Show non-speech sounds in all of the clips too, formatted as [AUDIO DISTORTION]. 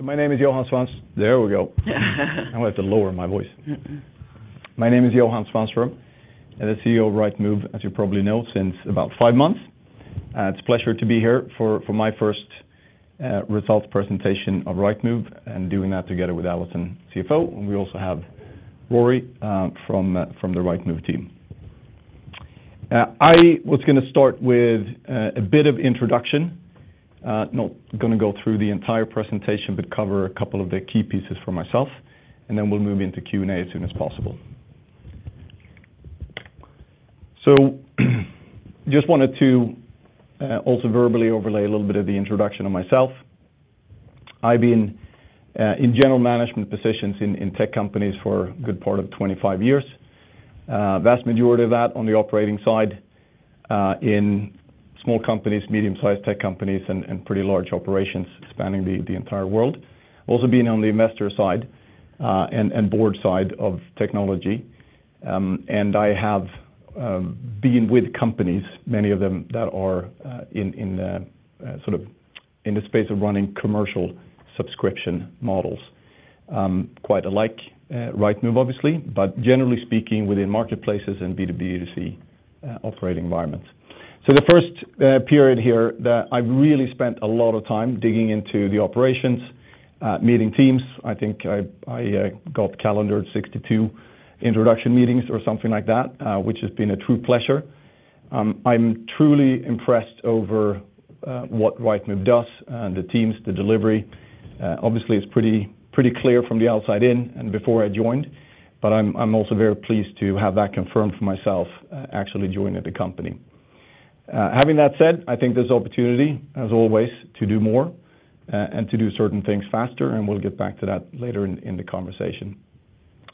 My name is Johan Svanstrom. There we go. I'll have to lower my voice. My name is Johan Svanstrom, and the CEO of Rightmove, as you probably know, since about five months. It's a pleasure to be here for, for my first results presentation of Rightmove, and doing that together with Alison, CFO, and we also have Rory from the Rightmove team. I was gonna start with a bit of introduction. Not gonna go through the entire presentation, but cover a couple of the key pieces for myself, and then we'll move into Q&A as soon as possible. Just wanted to also verbally overlay a little bit of the introduction of myself. I've been in general management positions in, in tech companies for a good part of 25 years. Vast majority of that on the operating side, in small companies, medium-sized tech companies, and, and pretty large operations spanning the, the entire world. Also been on the investor side, and, and board side of technology. And I have been with companies, many of them that are in, in, sort of in the space of running commercial subscription models. Quite alike, Rightmove, obviously, but generally speaking, within marketplaces and B2B, B2C, operating environments. The first period here that I've really spent a lot of time digging into the operations, meeting teams. I think I, I, got calendared 62 introduction meetings or something like that, which has been a true pleasure. I'm truly impressed over what Rightmove does, and the teams, the delivery. Obviously, it's pretty, pretty clear from the outside in and before I joined, but I'm, I'm also very pleased to have that confirmed for myself, actually joining the company. Having that said, I think there's opportunity, as always, to do more, and to do certain things faster, and we'll get back to that later in, in the conversation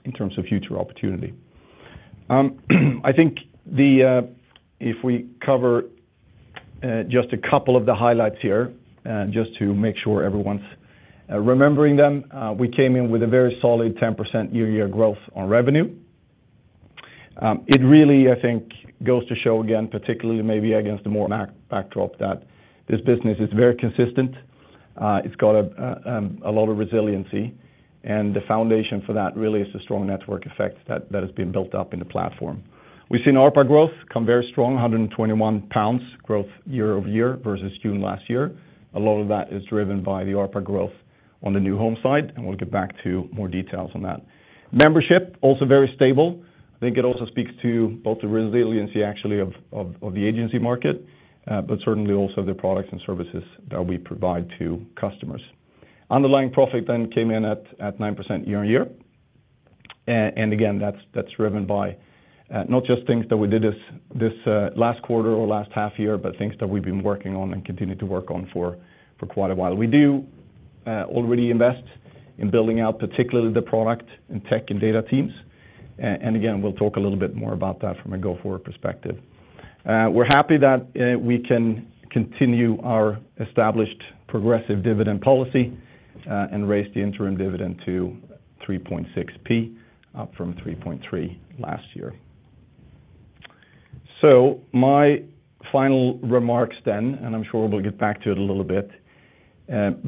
in terms of future opportunity. I think the, if we cover, just a couple of the highlights here, just to make sure everyone's remembering them. We came in with a very solid 10% year-to-year growth on revenue. It really, I think, goes to show again, particularly maybe against the more backdrop, that this business is very consistent. It's got a lot of resiliency, and the foundation for that really is a strong network effect that, that has been built up in the platform. We've seen ARPA growth come very strong, 121 pounds growth year-over-year versus June last year. A lot of that is driven by the ARPA growth on the new home side, and we'll get back to more details on that. Membership, also very stable. I think it also speaks to both the resiliency, actually, of the agency market, but certainly also the products and services that we provide to customers. Underlying profit then came in at 9% year-on-year. Again, that's, that's driven by, not just things that we did this, this last quarter or last half year, but things that we've been working on and continue to work on for, for quite a while. We do already invest in building out, particularly the product and tech and data teams. Again, we'll talk a little bit more about that from a go-forward perspective. We're happy that we can continue our established progressive dividend policy and raise the interim dividend to 3.6p, up from 3.3p last year. My final remarks then, and I'm sure we'll get back to it a little bit,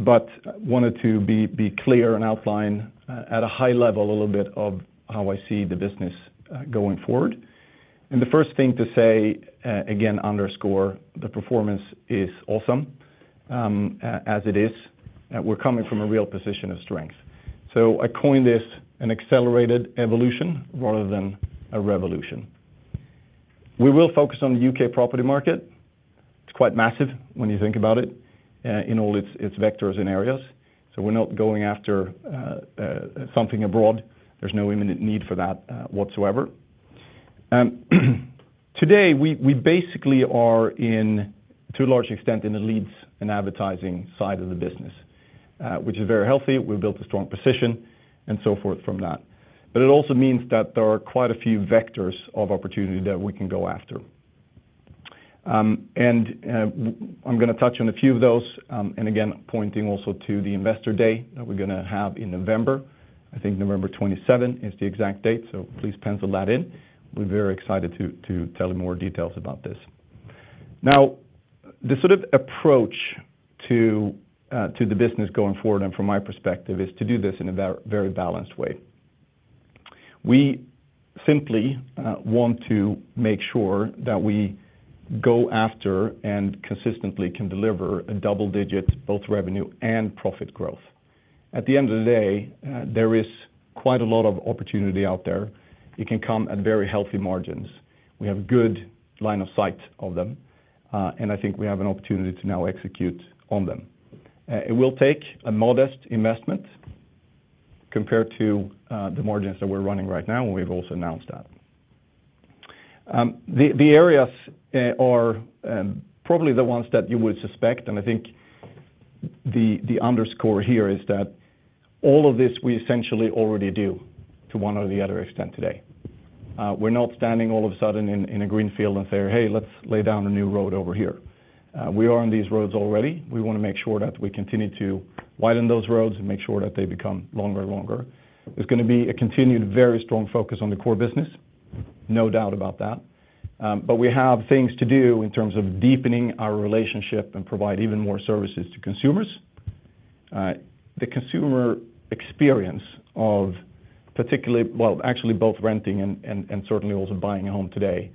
but wanted to be, be clear and outline at a high level, a little bit of how I see the business going forward. The first thing to say, again, underscore, the performance is awesome, a-as it is, that we're coming from a real position of strength. I coin this an accelerated evolution rather than a revolution. We will focus on the U.K. property market. It's quite massive when you think about it, in all its, its vectors and areas. We're not going after something abroad. There's no imminent need for that whatsoever. Today, we, we basically are in, to a large extent, in the leads and advertising side of the business, which is very healthy. We've built a strong position and so forth from that. It also means that there are quite a few vectors of opportunity that we can go after. I'm gonna touch on a few of those, and again, pointing also to the investor day that we're gonna have in November. I think November 27 is the exact date, so please pencil that in. We're very excited to tell you more details about this. The sort of approach to the business going forward and from my perspective, is to do this in a very balanced way. We simply want to make sure that we go after and consistently can deliver a double-digit, both revenue and profit growth. At the end of the day, there is quite a lot of opportunity out there. It can come at very healthy margins. We have good line of sight of them, and I think we have an opportunity to now execute on them. It will take a modest investment compared to the margins that we're running right now, and we've also announced that. The areas are probably the ones that you would suspect, and I think the underscore here is that all of this we essentially already do to one or the other extent today. We're not standing all of a sudden in, in a green field and say, "Hey, let's lay down a new road over here." We are on these roads already. We wanna make sure that we continue to widen those roads and make sure that they become longer and longer. There's gonna be a continued, very strong focus on the core business. No doubt about that. We have things to do in terms of deepening our relationship and provide even more services to consumers. The consumer experience of particularly, well, actually both renting and certainly also buying a home today,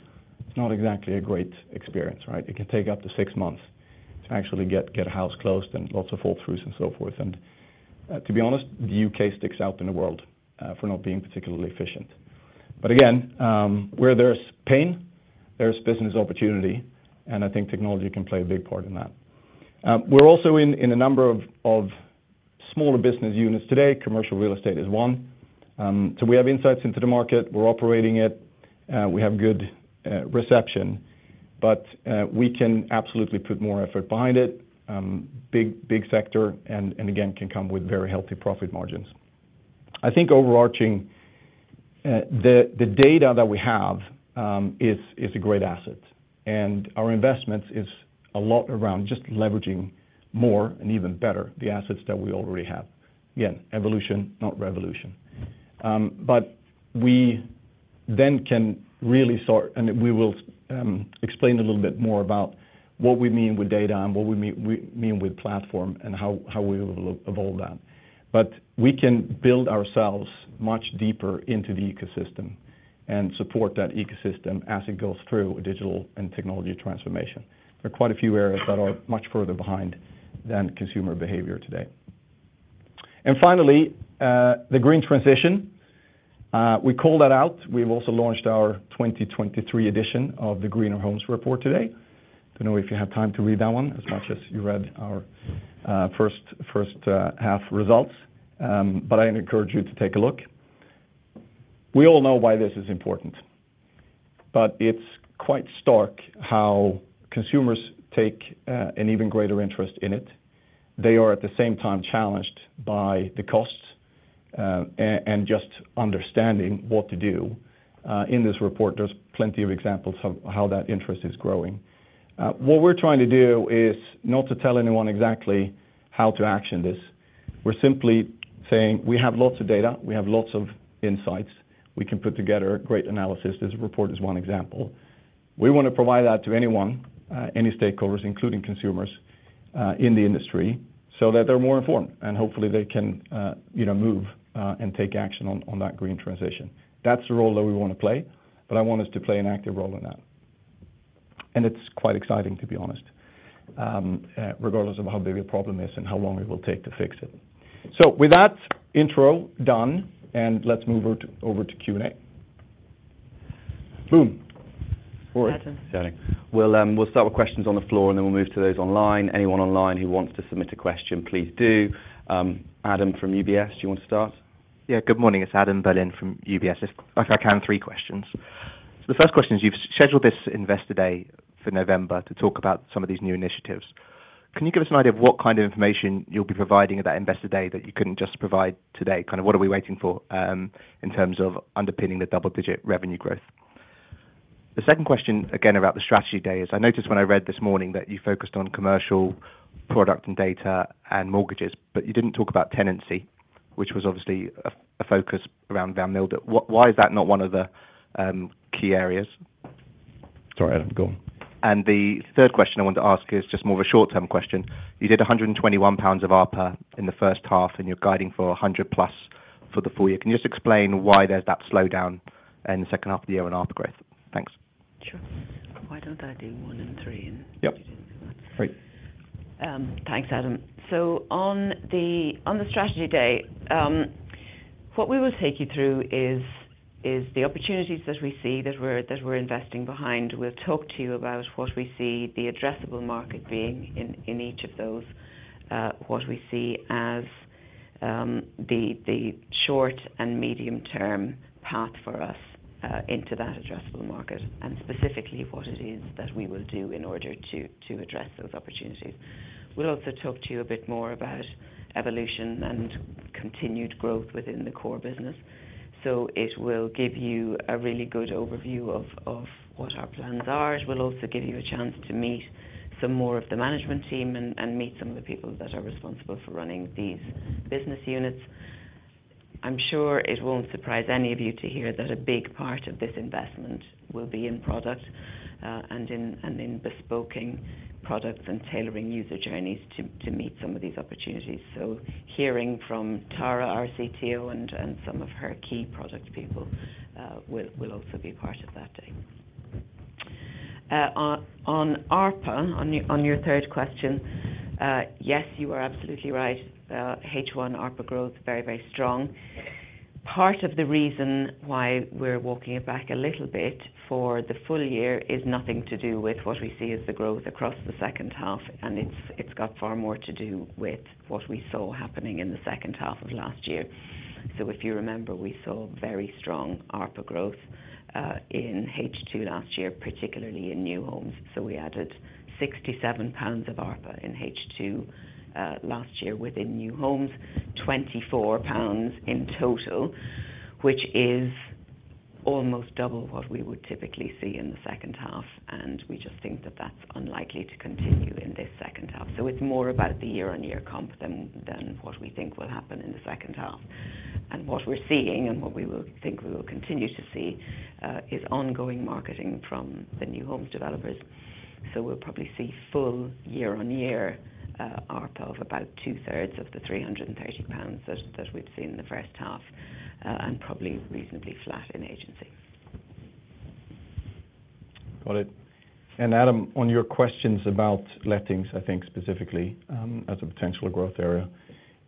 is not exactly a great experience, right? It can take up to six months to actually get, get a house closed, and lots of fall throughs and so forth. To be honest, the U.K. sticks out in the world for not being particularly efficient. Again, where there's pain, there's business opportunity, and I think technology can play a big part in that. We're also in a number of smaller business units today. Commercial real estate is one. We have insights into the market. We're operating it, we have good reception, but we can absolutely put more effort behind it. Big, big sector, and again, can come with very healthy profit margins. I think overarching, the, the data that we have, is, is a great asset, and our investment is a lot around just leveraging more and even better the assets that we already have. Again, evolution, not revolution. We then can really start, and we will explain a little bit more about what we mean with data and what we mean with platform and how we will evolve that. We can build ourselves much deeper into the ecosystem and support that ecosystem as it goes through a digital and technology transformation. There are quite a few areas that are much further behind than consumer behavior today. Finally, the green transition, we call that out. We've also launched our 2023 edition of the Greener Homes Report today. Don't know if you have time to read that one as much as you read our first, H1 results. I encourage you to take a look. We all know why this is important. It's quite stark how consumers take an even greater interest in it. They are, at the same time, challenged by the costs, and just understanding what to do. In this report, there's plenty of examples of how that interest is growing. What we're trying to do is not to tell anyone exactly how to action this. We're simply saying we have lots of data, we have lots of insights. We can put together a great analysis. This report is one example. We want to provide that to anyone, any stakeholders, including consumers, in the industry, so that they're more informed and hopefully they can, you know, move, and take action on, on that green transition. That's the role that we want to play, but I want us to play an active role in that. It's quite exciting, to be honest, regardless of how big a problem is and how long it will take to fix it. With that intro done, let's move over to, over to Q&A. Boom! Rory. Adam. Got it. We'll, we'll start with questions on the floor, and then we'll move to those online. Anyone online who wants to submit a question, please do. Adam from UBS, do you want to start? Yeah. Good morning, it's Adam Berlin from UBS. If I can, three questions. The first question is, you've scheduled this Investor Day for November to talk about some of these new initiatives. Can you give us an idea of what kind of information you'll be providing at that Investor Day that you couldn't just provide today? Kind of what are we waiting for, in terms of underpinning the double-digit revenue growth? The second question, again, about the Strategy Day, is I noticed when I read this morning that you focused on commercial product and data and mortgages, but you didn't talk about tenancy, which was obviously a, a focus around Van Mill. Why is that not one of the key areas? Sorry, Adam, go on. The third question I wanted to ask is just more of a short-term question. You did 121 pounds of ARPA in the H1, and you're guiding for 100+ for the full year. Can you just explain why there's that slowdown in the H2 of the year on ARPA growth? Thanks. Sure. Why don't I do one and three... Yep. Great. Thanks, Adam. On the, on the Strategy Day, what we will take you through is, is the opportunities that we see that we're, that we're investing behind. We'll talk to you about what we see the addressable market being in, in each of those, what we see as, the, the short and medium-term path for us, into that addressable market, and specifically, what it is that we will do in order to, to address those opportunities. We'll also talk to you a bit more about evolution and continued growth within the core business. It will give you a really good overview of, of what our plans are. It will also give you a chance to meet some more of the management team and, and meet some of the people that are responsible for running these business units. I'm sure it won't surprise any of you to hear that a big part of this investment will be in product, and in bespoking products and tailoring user journeys to meet some of these opportunities. Hearing from Tara, our CTO, and some of her key product people, will also be part of that day. On ARPA, on your third question, yes, you are absolutely right. H1 ARPA growth, very, very strong. Part of the reason why we're walking it back a little bit for the full year is nothing to do with what we see as the growth across the H2, and it's got far more to do with what we saw happening in the H2 of last year. If you remember, we saw very strong ARPA growth in H2 last year, particularly in new homes. We added 67 pounds of ARPA in H2 last year within new homes, 24 pounds in total, which is almost double what we would typically see in the H2, and we just think that that's unlikely to continue in this H2. It's more about the year-on-year comp than, than what we think will happen in the H2. What we're seeing, and what we will think we will continue to see, is ongoing marketing from the new homes developers. We'll probably see full year-on-year ARPA of about 2/3 of the 330 pounds that, that we've seen in the H1, and probably reasonably flat in agency. Got it. Adam, on your questions about lettings, I think specifically, as a potential growth area,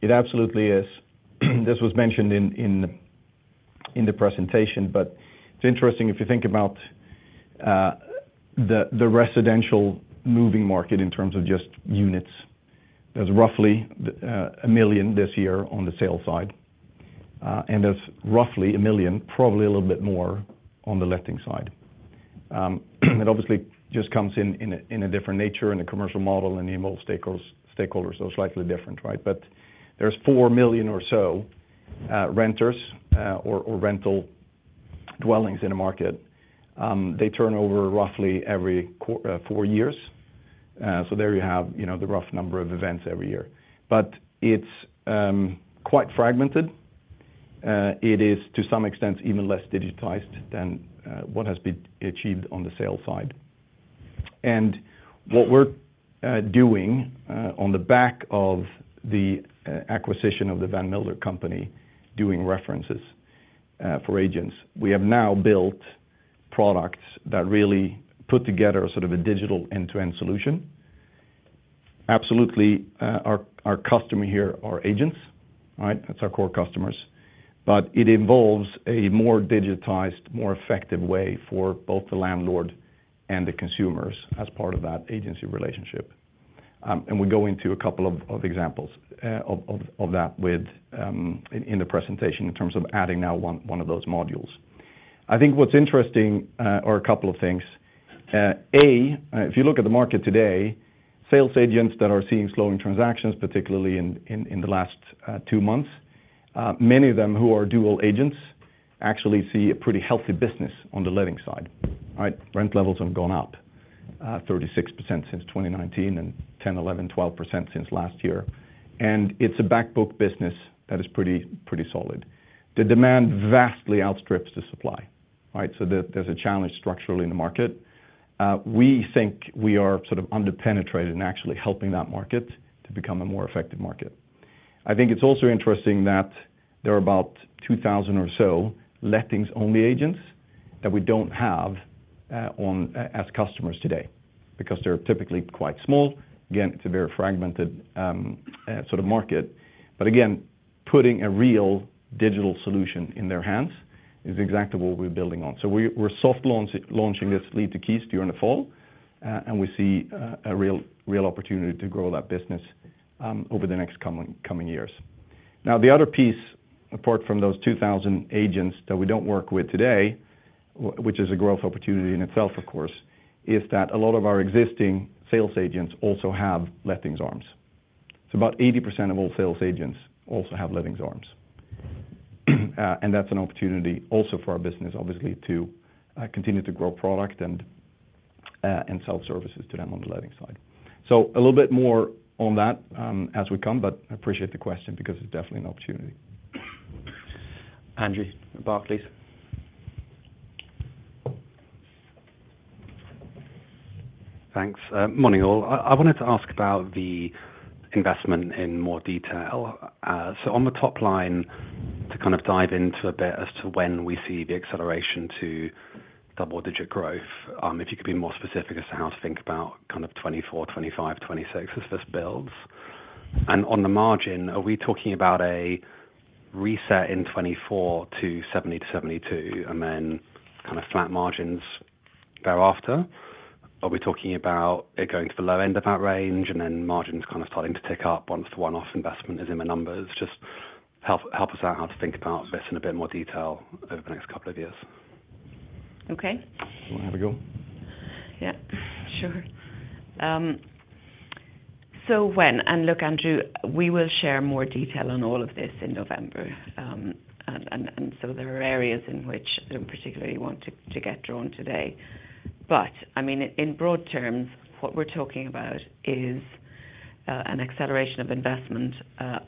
it absolutely is. This was mentioned in, in, in the presentation, it's interesting, if you think about the residential moving market in terms of just units. There's roughly a million this year on the sales side, and there's roughly a million, probably a little bit more, on the lettings side. It obviously just comes in, in a, in a different nature, in a commercial model, and you have multiple stakeholders, so it's slightly different, right? There's four million or so renters, or rental dwellings in the market. They turn over roughly every four years. There you have, you know, the rough number of events every year. It's quite fragmented. It is, to some extent, even less digitized than what has been achieved on the sales side. What we're doing on the back of the acquisition of the Van Miller company, doing references for agents, we have now built products that really put together sort of a digital end-to-end solution. Absolutely, our customer here are agents, right. That's our core customers. We go into a couple of examples of that with in the presentation, in terms of adding now one of those modules. I think what's interesting, or a couple of things, A, if you look at the market today, sales agents that are seeing slowing transactions, particularly in, in, in the last, two months, many of them who are dual agents actually see a pretty healthy business on the lettings side, right? Rent levels have gone up, 36% since 2019, and 10%, 11%, 12% since last year. It's a back-book business that is pretty, pretty solid. The demand vastly outstrips the supply, right? There, there's a challenge structurally in the market. We think we are sort of under-penetrated in actually helping that market to become a more effective market. I think it's also interesting that there are about 2,000 or so lettings-only agents that we don't have, as customers today, because they're typically quite small. Again, it's a very fragmented sort of market. Again, putting a real digital solution in their hands is exactly what we're building on. We're soft launch- launching this Lead to Keys during the fall, and we see a real, real opportunity to grow that business over the next coming, coming years. Now, the other piece, apart from those 2,000 agents that we don't work with today, which is a growth opportunity in itself, of course, is that a lot of our existing sales agents also have lettings arms. About 80% of all sales agents also have lettings arms. And that's an opportunity also for our business, obviously, to continue to grow product and sell services to them on the lettings side. A little bit more on that, as we come, but I appreciate the question because it's definitely an opportunity. Andrew, Barclays. Thanks. Morning, all. I, I wanted to ask about the investment in more detail. On the top line, to kind of dive into a bit as to when we see the acceleration to double-digit growth, if you could be more specific as to how to think about kind of 2024, 2025, 2026 as this builds. On the margin, are we talking about a reset in 2024 to 70%-72%, and then kind of flat margins thereafter? Are we talking about it going to the low end of that range, and then margins kind of starting to tick up once the one-off investment is in the numbers? Just help, help us out how to think about this in a bit more detail over the next couple of years. Okay. Wanna have a go? Yeah, sure. Look, Andrew, we will share more detail on all of this in November. There are areas in which I don't particularly want to, to get drawn today. I mean, in broad terms, what we're talking about is an acceleration of investment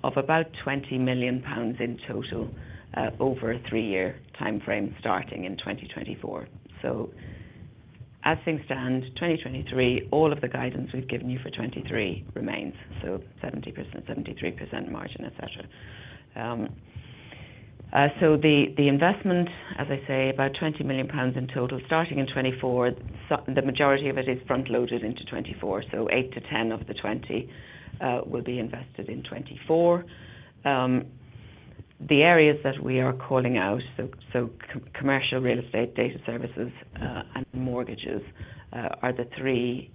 of about 20 million pounds in total over a three year timeframe, starting in 2024. As things stand, 2023, all of the guidance we've given you for 2023 remains, so 70%, 73% margin, et cetera. The, the investment, as I say, about 20 million pounds in total, starting in 2024. The majority of it is front-loaded into 2024, so eight to 10 of the 20 will be invested in 2024. The areas that we are calling out, commercial real estate, data services, and mortgages, are the three.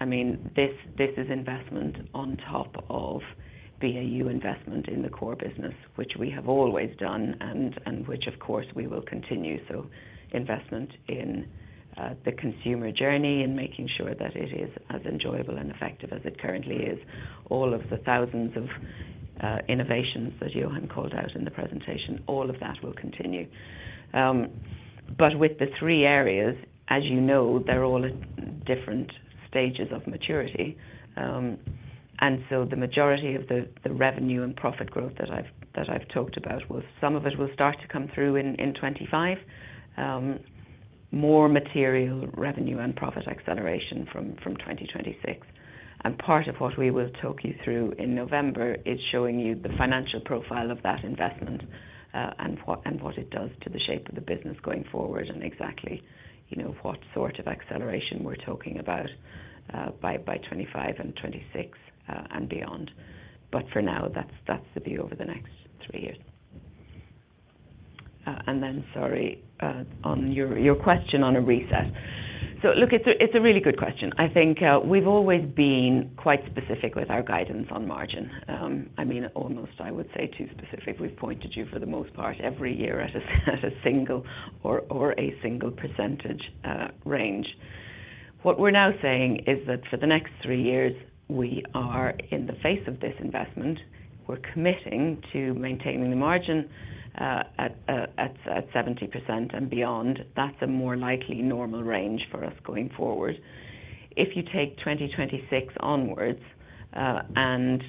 I mean, this, this is investment on top of BAU investment in the core business, which we have always done and which of course we will continue. Investment in the consumer journey and making sure that it is as enjoyable and effective as it currently is. All of the thousands of innovations that Johan called out in the presentation, all of that will continue. With the three areas, as you know, they're all at different stages of maturity. The majority of the revenue and profit growth that I've, that I've talked about was some of it will start to come through in 2025. More material revenue and profit acceleration from 2026. Part of what we will talk you through in November is showing you the financial profile of that investment, and what, and what it does to the shape of the business going forward, and exactly, you know, what sort of acceleration we're talking about, by, by 25 and 26, and beyond. For now, that's, that's the view over the next three years. Then, sorry, on your, your question on a reset. Look, it's a, it's a really good question. I think, we've always been quite specific with our guidance on margin. I mean, almost, I would say, too specific. We've pointed you, for the most part, every year at a, at a single or, or a single %, range. What we're now saying is that for the next three years, we are in the face of this investment, we're committing to maintaining the margin, at 70% and beyond. That's a more likely normal range for us going forward. If you take 2026 onwards, and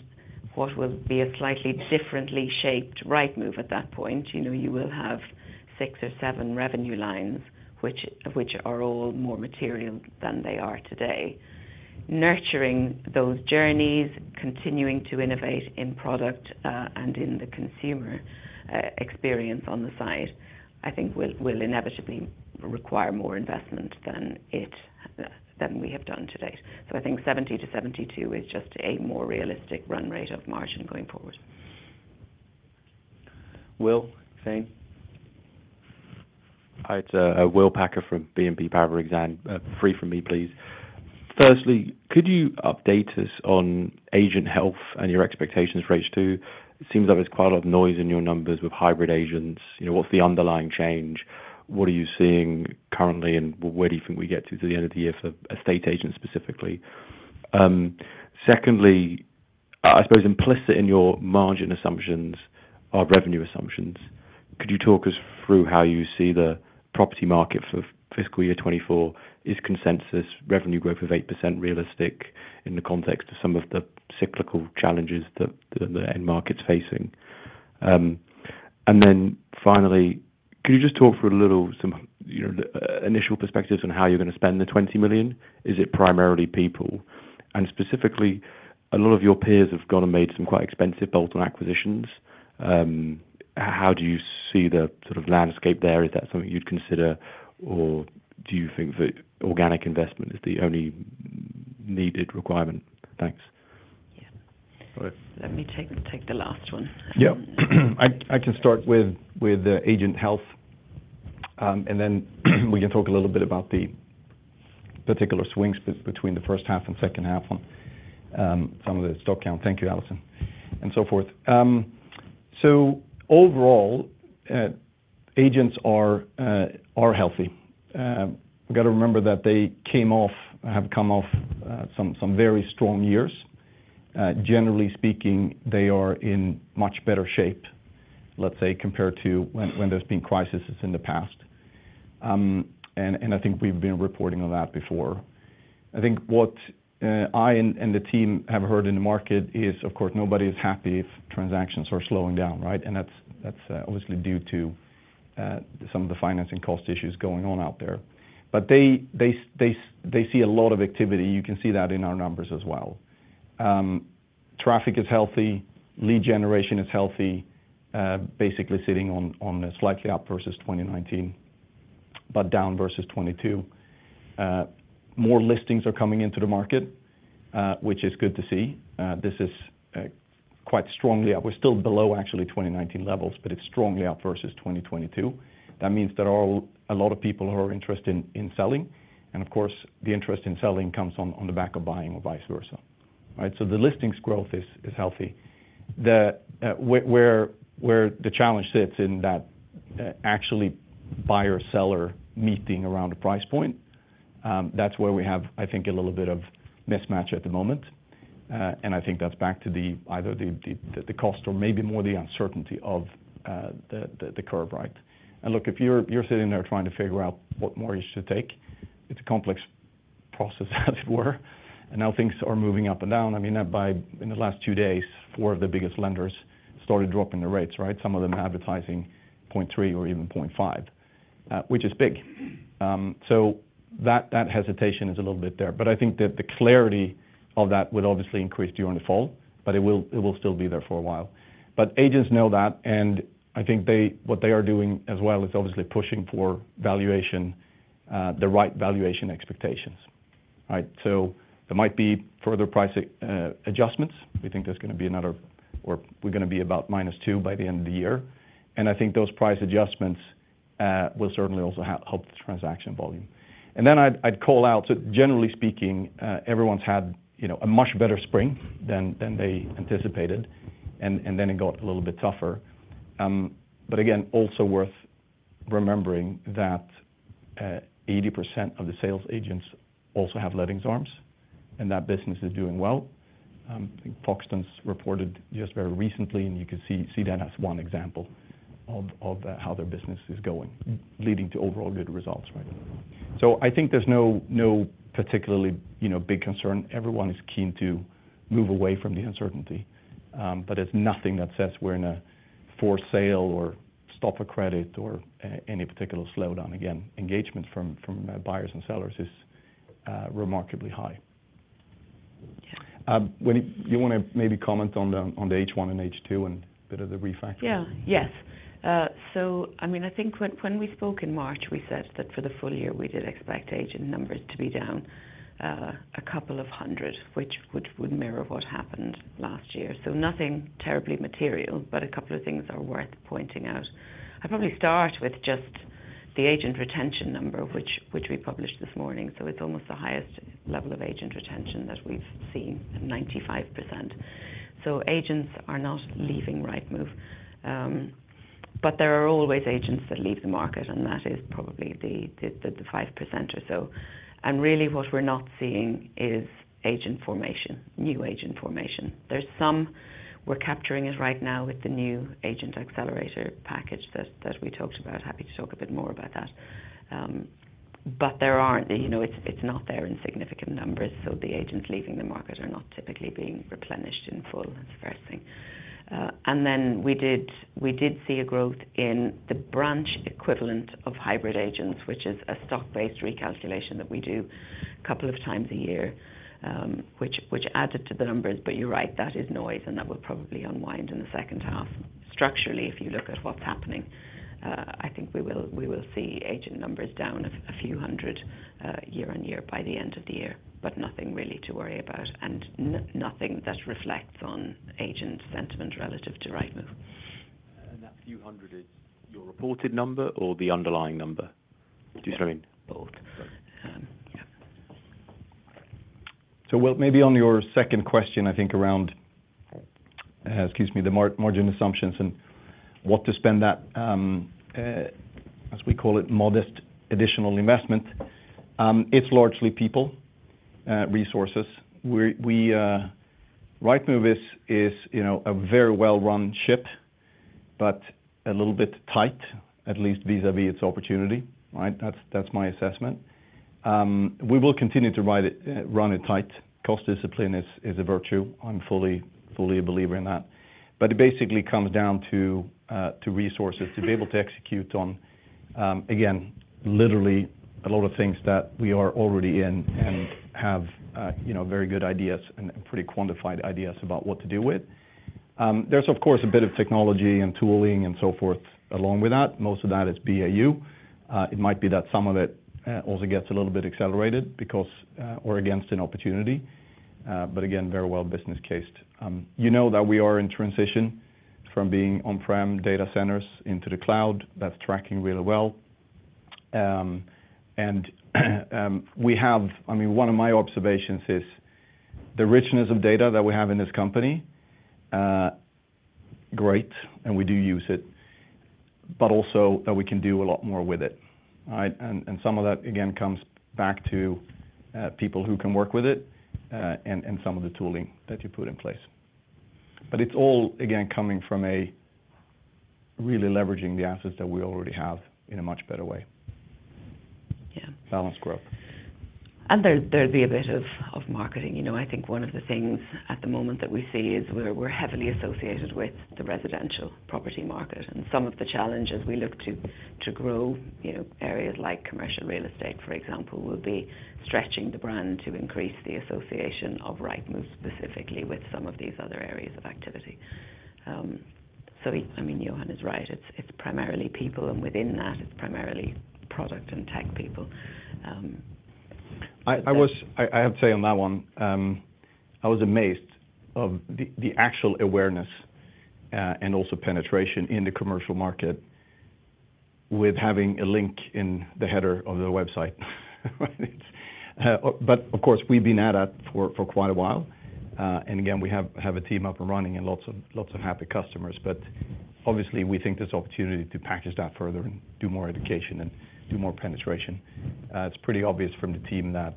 what will be a slightly differently shaped Rightmove at that point, you know, you will have six or seven revenue lines, which, which are all more material than they are today. Nurturing those journeys, continuing to innovate in product, and in the consumer, experience on the side, I think will, will inevitably require more investment than we have done to date. I think 70%-72% is just a more realistic run rate of margin going forward. Will, Exane. Hi, it's Will Packer from BNP Paribas Exane. Three from me, please. Firstly, could you update us on agent health and your expectations for H2? It seems like there's quite a lot of noise in your numbers with hybrid agents. You know, what's the underlying change? What are you seeing currently, and where do you think we get to the end of the year for estate agents, specifically? Secondly, I suppose implicit in your margin assumptions are revenue assumptions. Could you talk us through how you see the property market for fiscal year 2024? Is consensus revenue growth of 8% realistic in the context of some of the cyclical challenges that the end market's facing? Then finally, could you just talk for a little, some, you know, initial perspectives on how you're gonna spend the 20 million? Is it primarily people? Specifically, a lot of your peers have gone and made some quite expensive bolt-on acquisitions. How do you see the sort of landscape there? Is that something you'd consider, or do you think that organic investment is the only needed requirement? Thanks. Yeah. All right. Let me take the last one. Yeah. I, I can start with, with the agent health. Then we can talk a little bit about the particular swings between the H1 and H2 on some of the stock count. Thank you, Alison, and so forth. Overall, agents are healthy. We've got to remember that they came off, have come off, some very strong years. Generally speaking, they are in much better shape, let's say, compared to when, when there's been crises in the past. I think we've been reporting on that before. I think what I and the team have heard in the market is, of course, nobody is happy if transactions are slowing down, right? That's, that's obviously due to some of the financing cost issues going on out there. They see a lot of activity. You can see that in our numbers as well. Traffic is healthy, lead generation is healthy, basically sitting on a slightly up versus 2019, but down versus 2022. More listings are coming into the market, which is good to see. This is quite strongly up. We're still below actually 2019 levels, but it's strongly up versus 2022. That means there are a lot of people who are interested in selling, and of course, the interest in selling comes on the back of buying or vice versa, right? The listings growth is healthy. The where the challenge sits in that actually buyer-seller meeting around the price point, that's where we have, I think, a little bit of mismatch at the moment. I think that's back to the either the, the, the cost or maybe more the uncertainty of the, the, the curve, right? Look, if you're, you're sitting there trying to figure out what mortgage to take, it's a complex process, as it were, and now things are moving up and down. I mean, in the last two days, four of the biggest lenders started dropping the rates, right? Some of them advertising 0.3 or even 0.5, which is big. That, that hesitation is a little bit there. I think that the clarity of that will obviously increase during the fall, but it will, it will still be there for a while. Agents know that, and I think they, what they are doing as well, is obviously pushing for valuation, the right valuation expectations, right? There might be further price adjustments. We think there's gonna be another, or we're gonna be about -2 by the end of the year, and I think those price adjustments will certainly also help the transaction volume. Then I'd, I'd call out, generally speaking, everyone's had, you know, a much better spring than they anticipated, and then it got a little bit tougher. But again, also worth remembering that 80% of the sales agents also have lettings arms, and that business is doing well. I think Foxton's reported just very recently, and you can see, see that as one example of, of how their business is going, leading to overall good results, right? I think there's no, no particularly, you know, big concern. Everyone is keen to move away from the uncertainty. There's nothing that says we're in a for sale or stop a credit or any particular slowdown. Again, engagement from, from buyers and sellers is remarkably high. Wendy, you wanna maybe comment on the, on the H1 and H2 and a bit of the refactor? Yeah. Yes. I mean, I think when, when we spoke in March, we said that for the full year, we did expect agent numbers to be down, a couple of 100, which would, would mirror what happened last year. Nothing terribly material, but a couple of things are worth pointing out. I'd probably start with just the agent retention number, which, which we published this morning, so it's almost the highest level of agent retention that we've seen, 95%. Agents are not leaving Rightmove. But there are always agents that leave the market, and that is probably the, the, the 5% or so. Really, what we're not seeing is agent formation, new agent formation. There's some. We're capturing it right now with the new agent accelerator package that, that we talked about. Happy to talk a bit more about that. But there aren't... You know, it's, it's not there in significant numbers, so the agents leaving the market are not typically being replenished in full. That's the first thing. Then we did, we did see a growth in the branch equivalent of hybrid agents, which is a stock-based recalculation that we do couple of times a year, which, which added to the numbers. You're right, that is noise, and that will probably unwind in the H2. Structurally, if you look at what's happening, I think we will, we will see agent numbers down a few hundred year on year by the end of the year, but nothing really to worry about, and nothing that reflects on agent sentiment relative to Rightmove. That few hundred is your reported number or the underlying number? Do you see what I mean? Both. Both. Yeah. Well, maybe on your second question, I think around, excuse me, the margin assumptions and what to spend that, as we call it, modest additional investment. It's largely people, resources. We, we, Rightmove is, is, you know, a very well-run ship, but a little bit tight, at least vis-a-vis its opportunity, right? That's, that's my assessment. We will continue to ride it, run it tight. Cost discipline is, is a virtue. I'm fully, fully a believer in that. It basically comes down to, to resources, to be able to execute on, again, literally a lot of things that we are already in and have, you know, very good ideas and, and pretty quantified ideas about what to do with. There's of course, a bit of technology and tooling and so forth along with that. Most of that is BAU. It might be that some of it also gets a little bit accelerated because or against an opportunity, again, very well business cased. You know that we are in transition from being on-prem data centers into the cloud. That's tracking really well. We have, I mean, one of my observations is the richness of data that we have in this company, great, we do use it, but also that we can do a lot more with it, right? Some of that, again, comes back to people who can work with it, some of the tooling that you put in place. It's all, again, coming from a really leveraging the assets that we already have in a much better way. Yeah. Balanced growth. There, there'd be a bit of, of marketing. You know, I think one of the things at the moment that we see is we're, we're heavily associated with the residential property market, and some of the challenges we look to, to grow, you know, areas like commercial real estate, for example, will be stretching the brand to increase the association of Rightmove specifically with some of these other areas of activity. I mean, Johan is right. It's, it's primarily people, and within that, it's primarily product and tech people. I, I was I, I have to say on that one, I was amazed of the, the actual awareness, and also penetration in the commercial market with having a link in the header of the website, right? Of course, we've been at that for, for quite a while. Again, we have, have a team up and running and lots of, lots of happy customers. Obviously, we think there's opportunity to package that further and do more education and do more penetration. It's pretty obvious from the team that,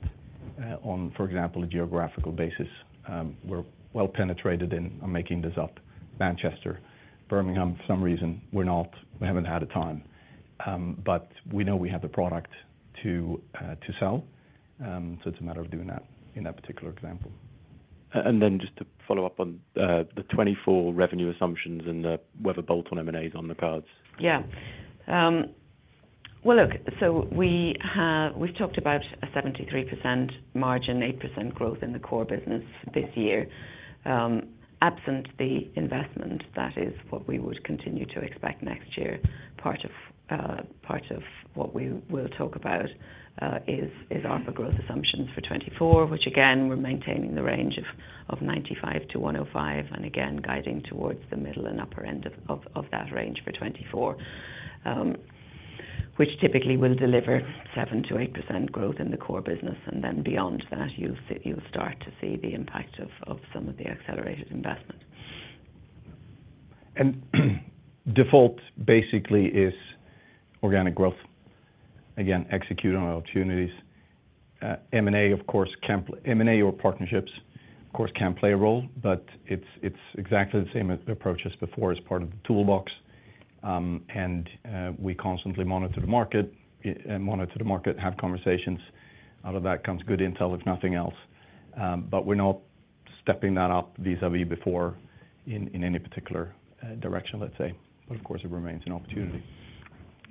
on, for example, a geographical basis, we're well penetrated in, I'm making this up, Manchester. Birmingham, for some reason, we're not. We haven't had a time. We know we have the product to, to sell, so it's a matter of doing that in that particular example. Then just to follow up on the 2024 revenue assumptions and the, whether bolt-on M&A is on the cards. Yeah. Well, look, we've talked about a 73% margin, 8% growth in the core business this year. Absent the investment, that is what we would continue to expect next year. Part of, part of what we will talk about, is, is our growth assumptions for 2024, which again, we're maintaining the range of, of 95%-105%, and again, guiding towards the middle and upper end of, of, of that range for 2024. Which typically will deliver 7%-8% growth in the core business, and then beyond that, you'll see, you'll start to see the impact of, of some of the accelerated investment. Default basically is organic growth. Again, execute on opportunities. M&A, of course, can play- M&A or partnerships, of course, can play a role, but it's, it's exactly the same approach as before, as part of the toolbox. We constantly monitor the market, have conversations. Out of that comes good intel, if nothing else. We're not stepping that up vis-a-vis before in, in any particular direction, let's say. Of course, it remains an opportunity.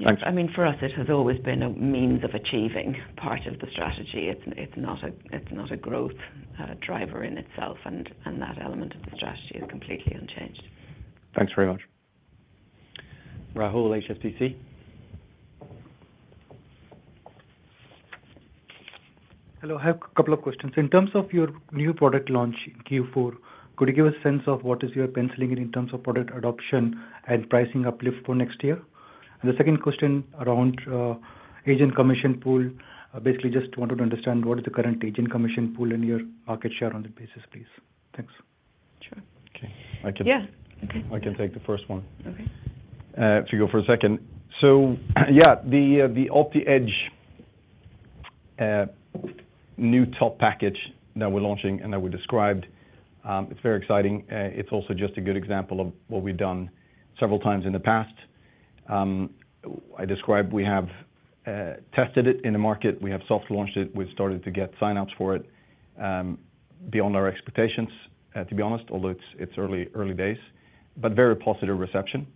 Thanks. I mean, for us, it has always been a means of achieving part of the strategy. It's, it's not a, it's not a growth driver in itself, and, and that element of the strategy is completely unchanged. Thanks very much. Rahul, HSBC. Hello, I have a couple of questions. In terms of your new product launch in Q4, could you give a sense of what is your penciling in terms of product adoption and pricing uplift for next year? The second question around agent commission pool. Basically, just wanted to understand what is the current agent commission pool and your market share on the basis, please. Thanks. Sure. Okay. Yeah. I can, I can take the first one. Okay. If you go for a second. Yeah, the OptiEdge new top package that we're launching and that we described, it's very exciting. It's also just a good example of what we've done several times in the past. I described, we have tested it in the market. We have soft launched it. We've started to get signups for it, beyond our expectations, to be honest, although it's, it's early, early days, but very positive reception.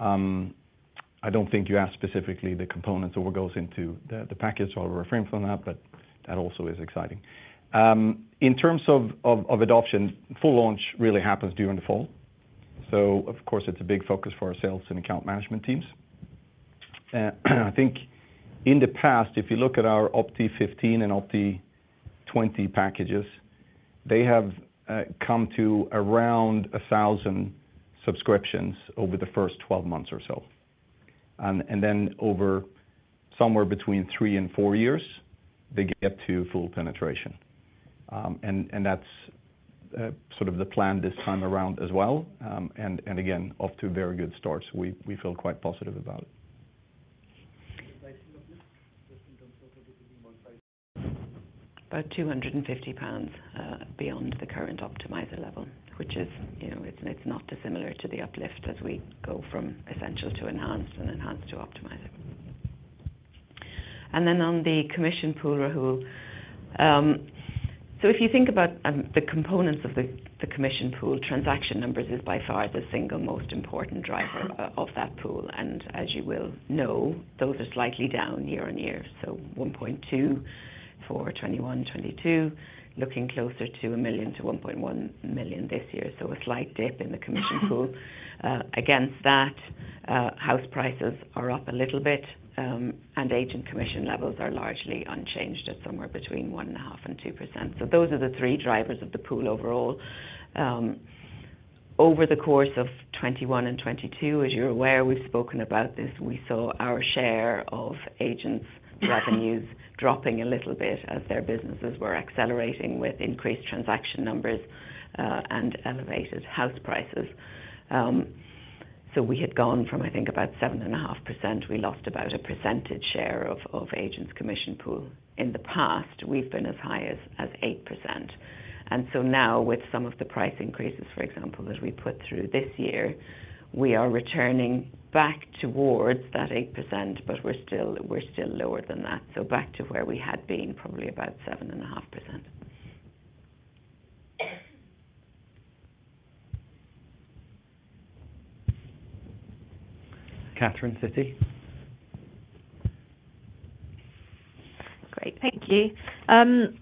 I don't think you asked specifically the components or what goes into the package, so I'll refrain from that, but that also is exciting. In terms of adoption, full launch really happens during the fall, of course, it's a big focus for our sales and account management teams. I think in the past, if you look at our Opti 15 and Opti 20 packages, they have come to around 1,000 subscriptions over the first 12 months or so. Over somewhere between three and four years, they get to full penetration. That's sort of the plan this time around as well. Again, off to a very good start, so we feel quite positive about it. The pricing of this, just in terms of it being one size? About 250 pounds beyond the current Optimizer level, which is, you know, it's, it's not dissimilar to the uplift as we go from Essential to Enhanced and Enhanced to Optimizer. On the commission pool, Rahul, if you think about the components of the commission pool, transaction numbers is by far the single most important driver of that pool, and as you will know, those are slightly down year-on-year. 1.2 for 2021-2022, looking closer to 1 million-1.1 million this year. A slight dip in the commission pool. Against that, house prices are up a little bit, and agent commission levels are largely unchanged at somewhere between 1.5%-2%. Those are the three drivers of the pool overall. Over the course of 2021 and 2022, as you're aware, we've spoken about this, we saw our share of agents' revenues dropping a little bit as their businesses were accelerating with increased transaction numbers, and elevated house prices. We had gone from, I think, about 7.5%. We lost about a percentage share of, of agents' commission pool. In the past, we've been as high as, as 8%. Now with some of the price increases, for example, that we put through this year, we are returning back towards that 8%, but we're still, we're still lower than that. Back to where we had been, probably about 7.5%. Catherine, Citi. Great. Thank you. I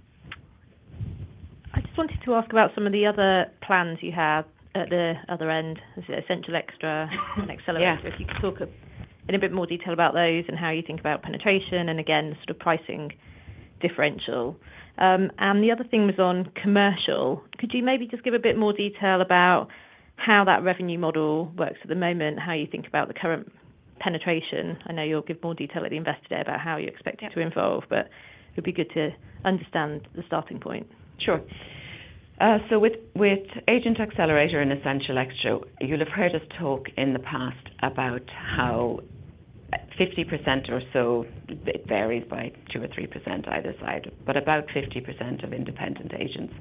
just wanted to ask about some of the other plans you have at the other end, is it Essential Extra and Accelerator? Yeah. If you could talk in a bit more detail about those and how you think about penetration and again, the sort of pricing differential. The other thing was on commercial. Could you maybe just give a bit more detail about how that revenue model works at the moment, how you think about the current penetration? I know you'll give more detail at the Investor Day about how you expect it to evolve. Yeah. It'd be good to understand the starting point. Sure. With, with Agent Accelerator and Essential Extra, you'll have heard us talk in the past about how 50% or so, it varies by 2% or 3% either side, but about 50% of independent agents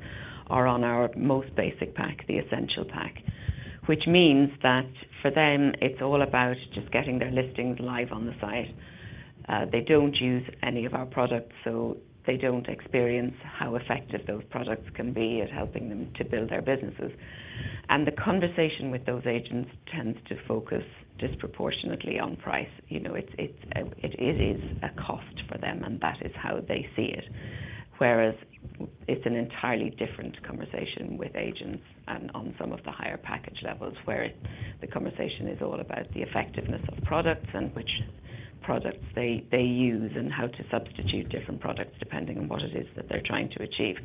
are on our most basic pack, the Essential pack. Which means that for them, it's all about just getting their listings live on the site. They don't use any of our products, so they don't experience how effective those products can be at helping them to build their businesses. The conversation with those agents tends to focus disproportionately on price. You know, it's, it's, it, it is a cost for them, and that is how they see it. Whereas it's an entirely different conversation with agents and on some of the higher package levels, where the conversation is all about the effectiveness of products and which products they, they use, and how to substitute different products depending on what it is that they're trying to achieve.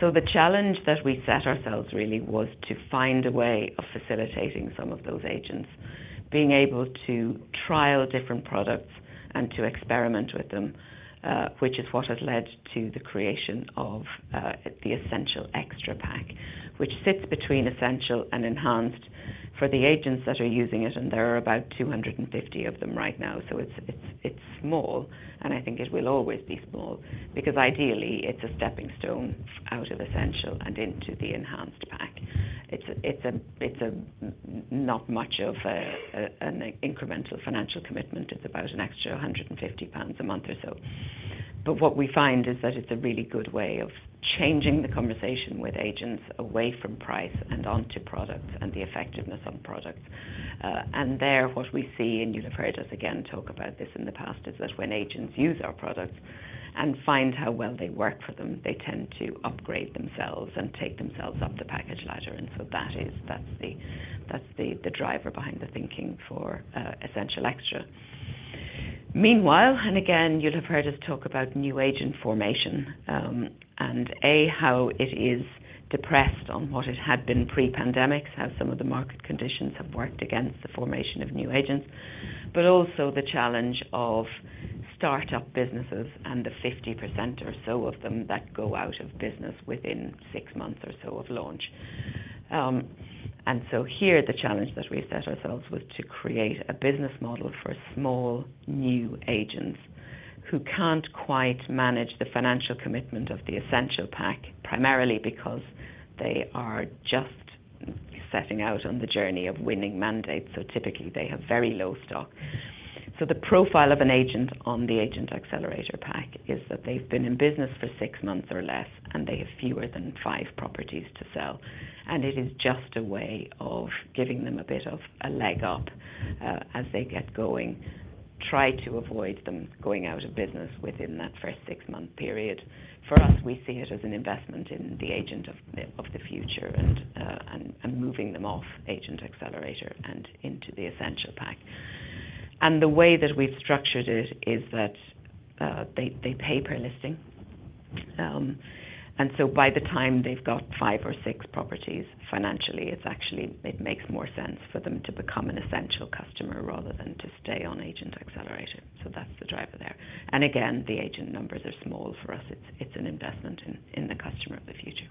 The challenge that we set ourselves really was to find a way of facilitating some of those agents, being able to trial different products and to experiment with them, which is what has led to the creation of the Essential Extra pack, which sits between Essential and Enhanced for the agents that are using it, and there are about 250 of them right now. It's, it's, it's small, and I think it will always be small, because ideally, it's a stepping stone out of Essential and into the Enhanced pack. It's a, it's a, it's a not much of a, an incremental financial commitment. It's about an extra 150 pounds a month or so. What we find is that it's a really good way of changing the conversation with agents away from price and onto products and the effectiveness of products. There, what we see, and you'll have heard us again talk about this in the past, is that when agents use our products and find how well they work for them, they tend to upgrade themselves and take themselves up the package ladder. That is that's the, that's the, the driver behind the thinking for Essential Extra. Meanwhile, and again, you'll have heard us talk about new agent formation, and a, how it is depressed on what it had been pre-pandemic, how some of the market conditions have worked against the formation of new agents, but also the challenge of start-up businesses and the 50% or so of them that go out of business within six months or so of launch. Here, the challenge that we've set ourselves was to create a business model for small, new agents who can't quite manage the financial commitment of the Essential Pack, primarily because they are just setting out on the journey of winning mandates, so typically, they have very low stock. The profile of an agent on the Agent Accelerator Pack is that they've been in business for six months or less, and they have fewer than five properties to sell. It is just a way of giving them a bit of a leg up, as they get going, try to avoid them going out of business within that first six-month period. For us, we see it as an investment in the agent of, of the future and, and, and moving them off Agent Accelerator and into the Essential pack. The way that we've structured it is that, they, they pay per listing. By the time they've got five or six properties, financially, it's actually, it makes more sense for them to become an Essential customer rather than to stay on Agent Accelerator. That's the driver there. Again, the agent numbers are small. For us, it's, it's an investment in, in the customer of the future.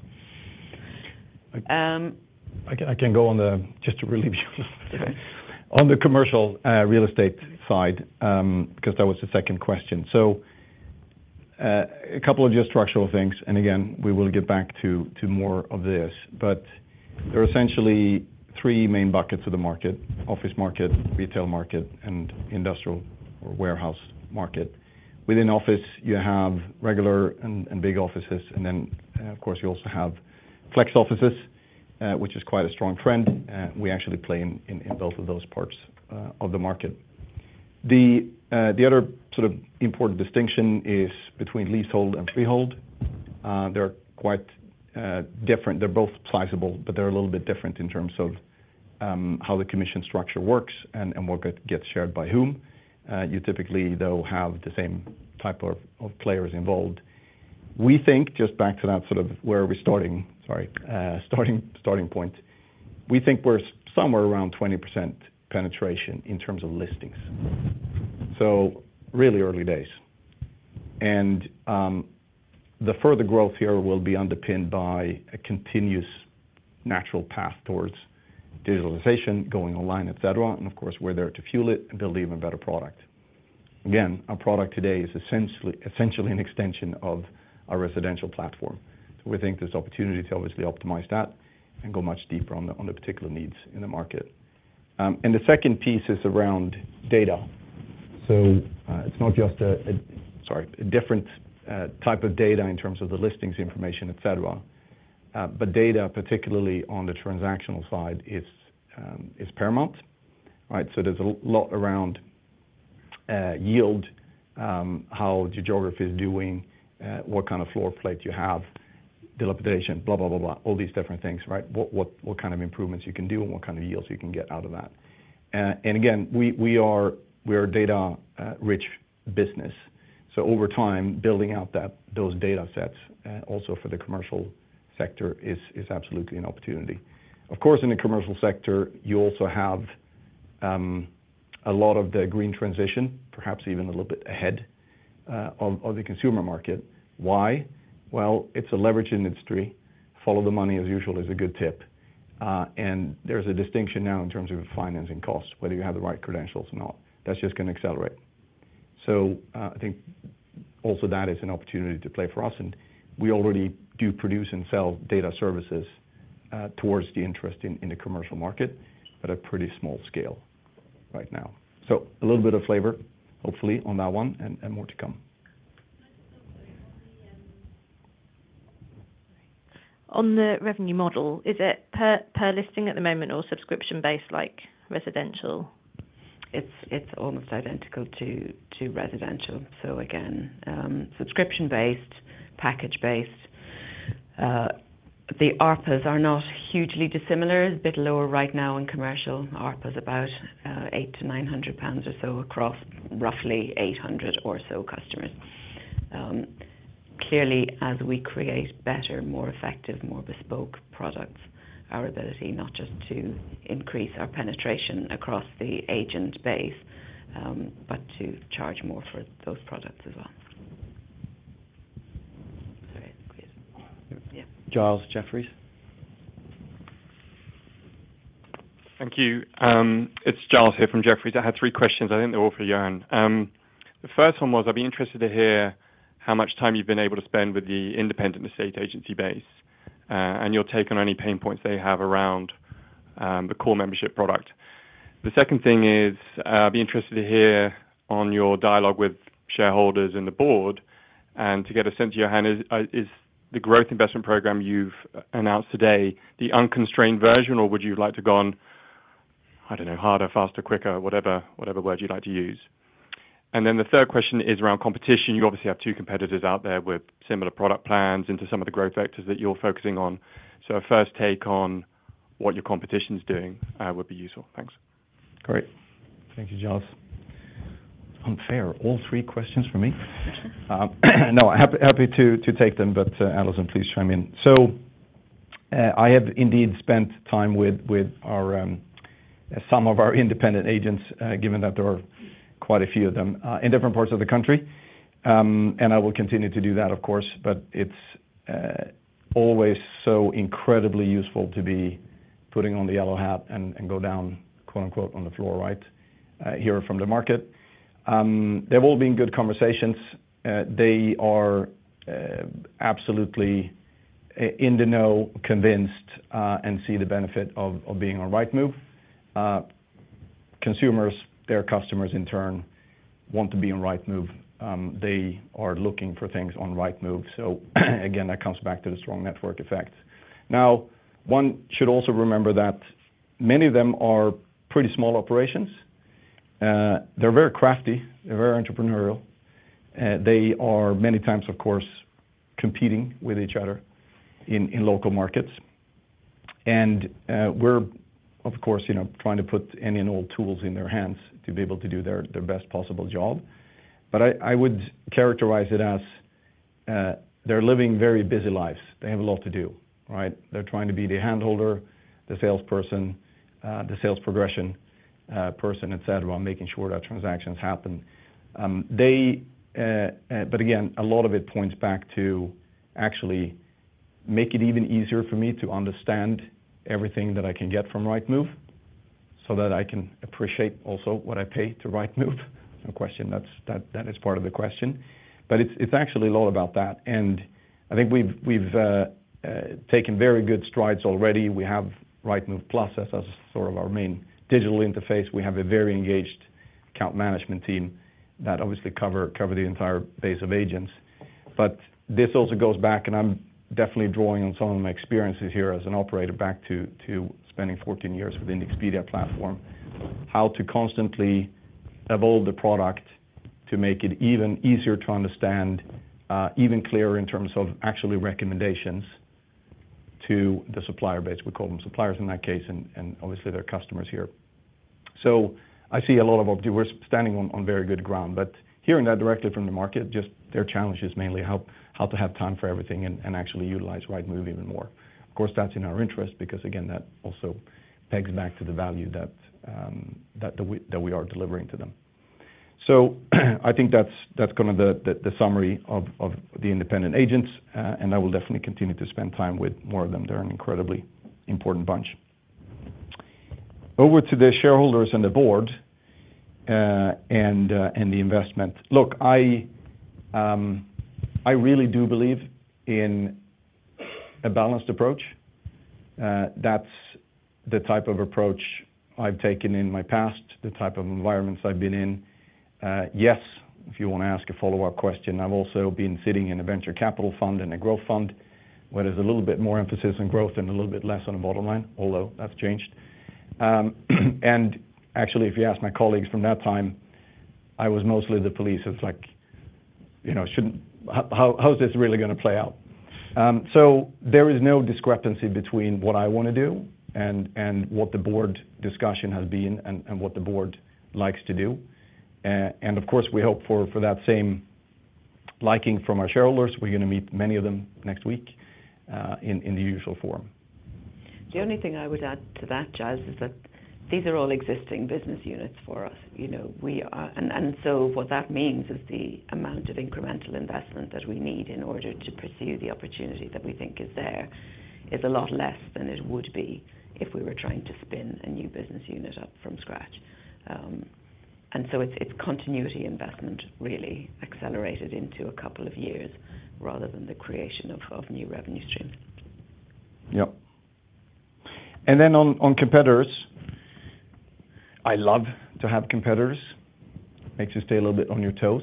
I can, I can go on the... Just to really be honest, on the commercial real estate side, because that was the second question. A couple of just structural things, and again, we will get back to, to more of this. There are essentially three main buckets of the market: office market, retail market, and industrial or warehouse market. Within office, you have regular and, and big offices, and then, of course, you also have flex offices, which is quite a strong trend, we actually play in, in, in both of those parts of the market. The other sort of important distinction is between leasehold and freehold. They're quite different. They're both sizable, but they're a little bit different in terms of how the commission structure works and, and what get, gets shared by whom. You typically, though, have the same type of, of players involved. We think, just back to that sort of where are we starting, sorry, starting, starting point. We think we're somewhere around 20% penetration in terms of listings. Really early days. The further growth here will be underpinned by a continuous natural path towards digitalization, going online, et cetera. Of course, we're there to fuel it and build even better product. Again, our product today is essentially, essentially an extension of our residential platform. We think there's opportunity to obviously optimize that and go much deeper on the, on the particular needs in the market. The second piece is around data. it's not just a, sorry, a different type of data in terms of the listings information, et cetera, but data, particularly on the transactional side, is paramount, right? There's a lot around yield, how the geography is doing, what kind of floor plate you have, dilapidation, blah, blah, blah, blah, all these different things, right? What, what, what kind of improvements you can do and what kind of yields you can get out of that. Again, we, we are, we're a data rich business. Over time, building out those data sets, also for the commercial sector is absolutely an opportunity. Of course, in the commercial sector, you also have a lot of the green transition, perhaps even a little bit ahead of the consumer market. Why? Well, it's a leveraged industry. Follow the money, as usual, is a good tip. There's a distinction now in terms of financing costs, whether you have the right credentials or not. That's just going to accelerate. I think also that is an opportunity to play for us, and we already do produce and sell data services, towards the interest in, in the commercial market, at a pretty small scale right now. A little bit of flavor, hopefully, on that one, and, and more to come. On the revenue model, is it per, per listing at the moment or subscription-based, like residential? It's, it's almost identical to, to residential. Again, subscription-based, package-based. The ARPAs are not hugely dissimilar, a bit lower right now in commercial. ARPA is about 800-900 pounds or so across roughly 800 or so customers. Clearly, as we create better, more effective, more bespoke products, our ability not just to increase our penetration across the agent base, but to charge more for those products as well. Sorry, please. Yeah. Giles, Jefferies. Thank you. It's Giles here from Jefferies. I had three questions. I think they're all for Johan. The first one was, I'd be interested to hear how much time you've been able to spend with the independent estate agency base, and your take on any pain points they have around the core membership product. The second thing is, I'd be interested to hear on your dialogue with shareholders and the board, and to get a sense, Johan, is, is, the growth investment program you've announced today, the unconstrained version, or would you like to go on, I don't know, harder, faster, quicker, whatever, whatever word you'd like to use? Then the third question is around competition. You obviously have two competitors out there with similar product plans into some of the growth vectors that you're focusing on. A first take on what your competition is doing, would be useful. Thanks. Great. Thank you, Giles. Unfair, all three questions for me? No, happy, happy to, to take them, but Alison, please chime in. I have indeed spent time with, with our some of our independent agents, given that there are quite a few of them in different parts of the country. I will continue to do that, of course, but it's always so incredibly useful to be putting on the yellow hat and, and go down, quote, unquote, "on the floor," right? Hear from the market. They've all been good conversations. They are absolutely in the know, convinced, and see the benefit of, of being on Rightmove. Consumers, their customers, in turn, want to be on Rightmove. They are looking for things on Rightmove. Again, that comes back to the strong network effect. One should also remember that many of them are pretty small operations. They're very crafty, they're very entrepreneurial. They are many times, of course, competing with each other in, in local markets. We're, of course, you know, trying to put any and all tools in their hands to be able to do their, their best possible job. But I, I would characterize it as, they're living very busy lives. They have a lot to do, right? They're trying to be the hand holder, the salesperson, the sales progression, person, et cetera, making sure that transactions happen. Again, a lot of it points back to actually make it even easier for me to understand everything that I can get from Rightmove so that I can appreciate also what I pay to Rightmove. No question, that's, that, that is part of the question, but it's, it's actually a lot about that. I think we've, we've taken very good strides already. We have Rightmove Plus as, as sort of our main digital interface. We have a very engaged account management team that obviously cover, cover the entire base of agents. This also goes back, and I'm definitely drawing on some of my experiences here as an operator, back to, to spending 14 years within the Expedia platform, how to constantly evolve the product to make it even easier to understand, even clearer in terms of actually recommendations to the supplier base. We call them suppliers in that case, and obviously, they're customers here. I see a lot of we're standing on, on very good ground, but hearing that directly from the market, just their challenge is mainly how, how to have time for everything and actually utilize Rightmove even more. Of course, that's in our interest because, again, that also pegs back to the value that, that we, that we are delivering to them. I think that's, that's kind of the, the, the summary of, of the independent agents, and I will definitely continue to spend time with more of them. They're an incredibly important bunch. Over to the shareholders and the board, and the investment. Look, I, I really do believe in a balanced approach. That's the type of approach I've taken in my past, the type of environments I've been in. Yes, if you want to ask a follow-up question, I've also been sitting in a venture capital fund and a growth fund, where there's a little bit more emphasis on growth and a little bit less on the bottom line, although that's changed. Actually, if you ask my colleagues from that time, I was mostly the police. It's like, you know, how is this really gonna play out? There is no discrepancy between what I want to do and what the board discussion has been and what the board likes to do. Of course, we hope for that same liking from our shareholders. We're gonna meet many of them next week, in the usual forum. The only thing I would add to that, Giles, is that these are all existing business units for us. You know, what that means is the amount of incremental investment that we need in order to pursue the opportunity that we think is there, is a lot less than it would be if we were trying to spin a new business unit up from scratch. So it's continuity investment, really, accelerated into a couple of years rather than the creation of new revenue streams. Yep. Then on, on competitors, I love to have competitors. Makes you stay a little bit on your toes.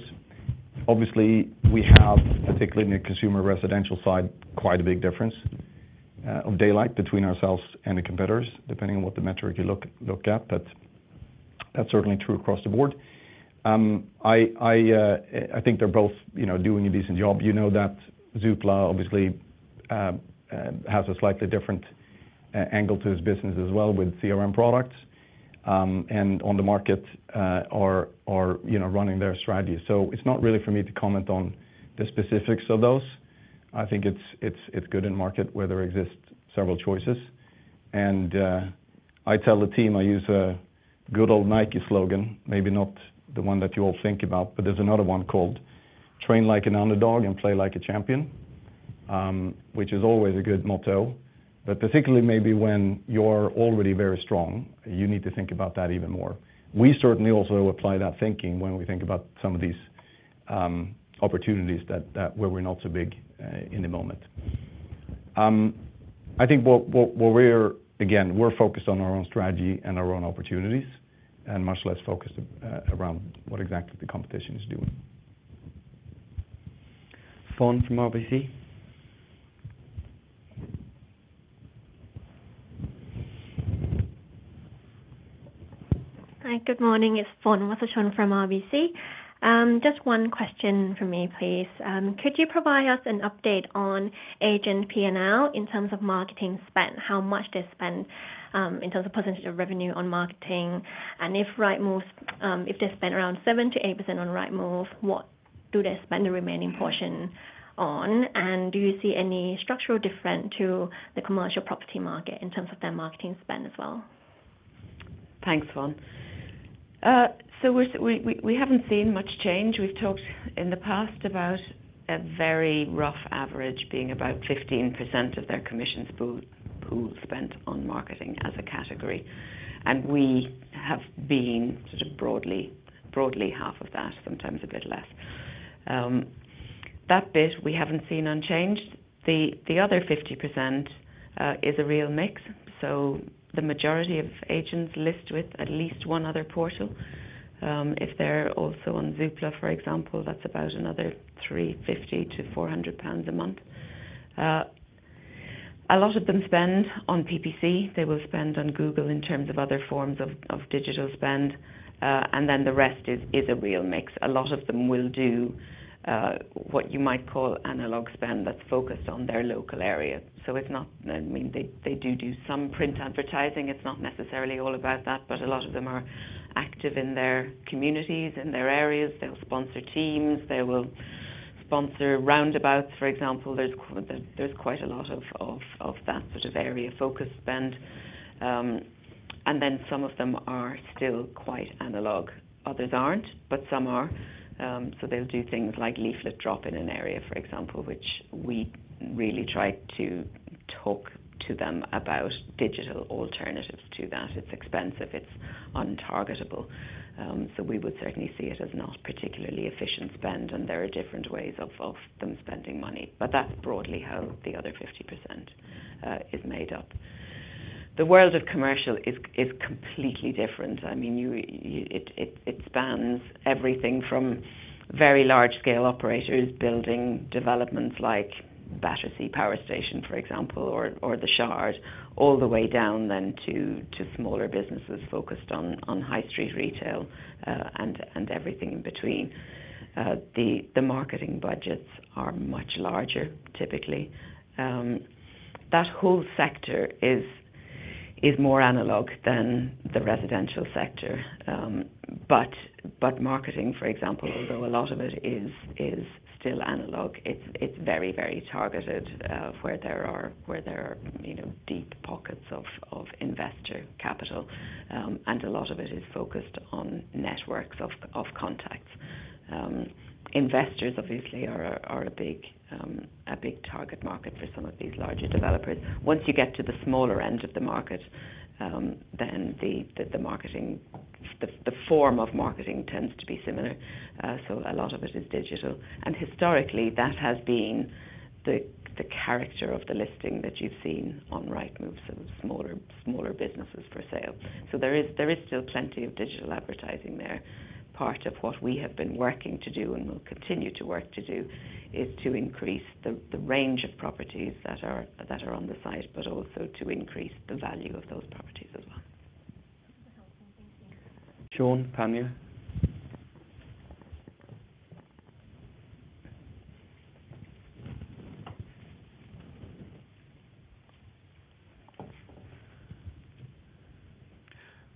Obviously, we have, particularly in the consumer residential side, quite a big difference of daylight between ourselves and the competitors, depending on what the metric you look, look at. That's certainly true across the board. I, I, I think they're both, you know, doing a decent job. You know that Zoopla, obviously, has a slightly different angle to this business as well with CRM products, and on the market are, are, you know, running their strategy. It's not really for me to comment on the specifics of those. I think it's, it's, it's good in market where there exists several choices. I tell the team, I use a good old Nike slogan, maybe not the one that you all think about, but there's another one called: Train like an underdog and play like a champion. Which is always a good motto, but particularly maybe when you're already very strong, you need to think about that even more. We certainly also apply that thinking when we think about some of these opportunities that, that where we're not so big in the moment. I think what. Again, we're focused on our own strategy and our own opportunities, and much less focused around what exactly the competition is doing. Fon from RBC. Hi, good morning. It's Fon Wassachon from RBC. Just one question from me, please. Could you provide us an update on agent P&L in terms of marketing spend? How much they spend, in terms of percentage of revenue on marketing, and if Rightmove, if they spend around 7%-8% on Rightmove, what do they spend the remaining portion on? Do you see any structural difference to the commercial property market in terms of their marketing spend as well? Thanks, Fon. We haven't seen much change. We've talked in the past about a very rough average being about 15% of their commissions pool spent on marketing as a category. We have been sort of broadly half of that, sometimes a bit less. That bit, we haven't seen unchanged. The other 50% is a real mix. The majority of agents list with at least one other portal. If they're also on Zoopla, for example, that's about another 350-400 pounds a month. A lot of them spend on PPC. They will spend on Google in terms of other forms of digital spend. The rest is a real mix. A lot of them will do what you might call analog spend, that's focused on their local area. It's not... I mean, they, they do, do some print advertising. It's not necessarily all about that, but a lot of them are active in their communities, in their areas. They'll sponsor teams, they will sponsor roundabouts, for example. There's quite a lot of that sort of area focus spend. Then some of them are still quite analog. Others aren't, but some are. They'll do things like leaflet drop in an area, for example, which we really try to talk to them about digital alternatives to that. It's expensive, it's untargetable. We would certainly see it as not particularly efficient spend, and there are different ways of them spending money. That's broadly how the other 50% is made up. The world of commercial is, is completely different. I mean, it spans everything from very large scale operators building developments like Battersea Power Station, for example, or, or the Shard, all the way down then to, to smaller businesses focused on, on high street retail, and everything in between. The marketing budgets are much larger, typically. That whole sector is, is more analog than the residential sector. But marketing, for example, although a lot of it is, is still analog, it's, it's very, very targeted of where there are, where there are, you know, deep pockets of, of investor capital. A lot of it is focused on networks of, of contacts. Investors obviously are a, are a big, a big target market for some of these larger developers. Once you get to the smaller end of the market, the, the, the marketing, the form of marketing tends to be similar. A lot of it is digital. Historically, that has been the, the character of the listing that you've seen on Rightmove, so the smaller, smaller businesses for sale. There is, there is still plenty of digital advertising there. Part of what we have been working to do, and will continue to work to do, is to increase the, the range of properties that are, that are on the site, but also to increase the value of those properties as well. Sean, Panmure.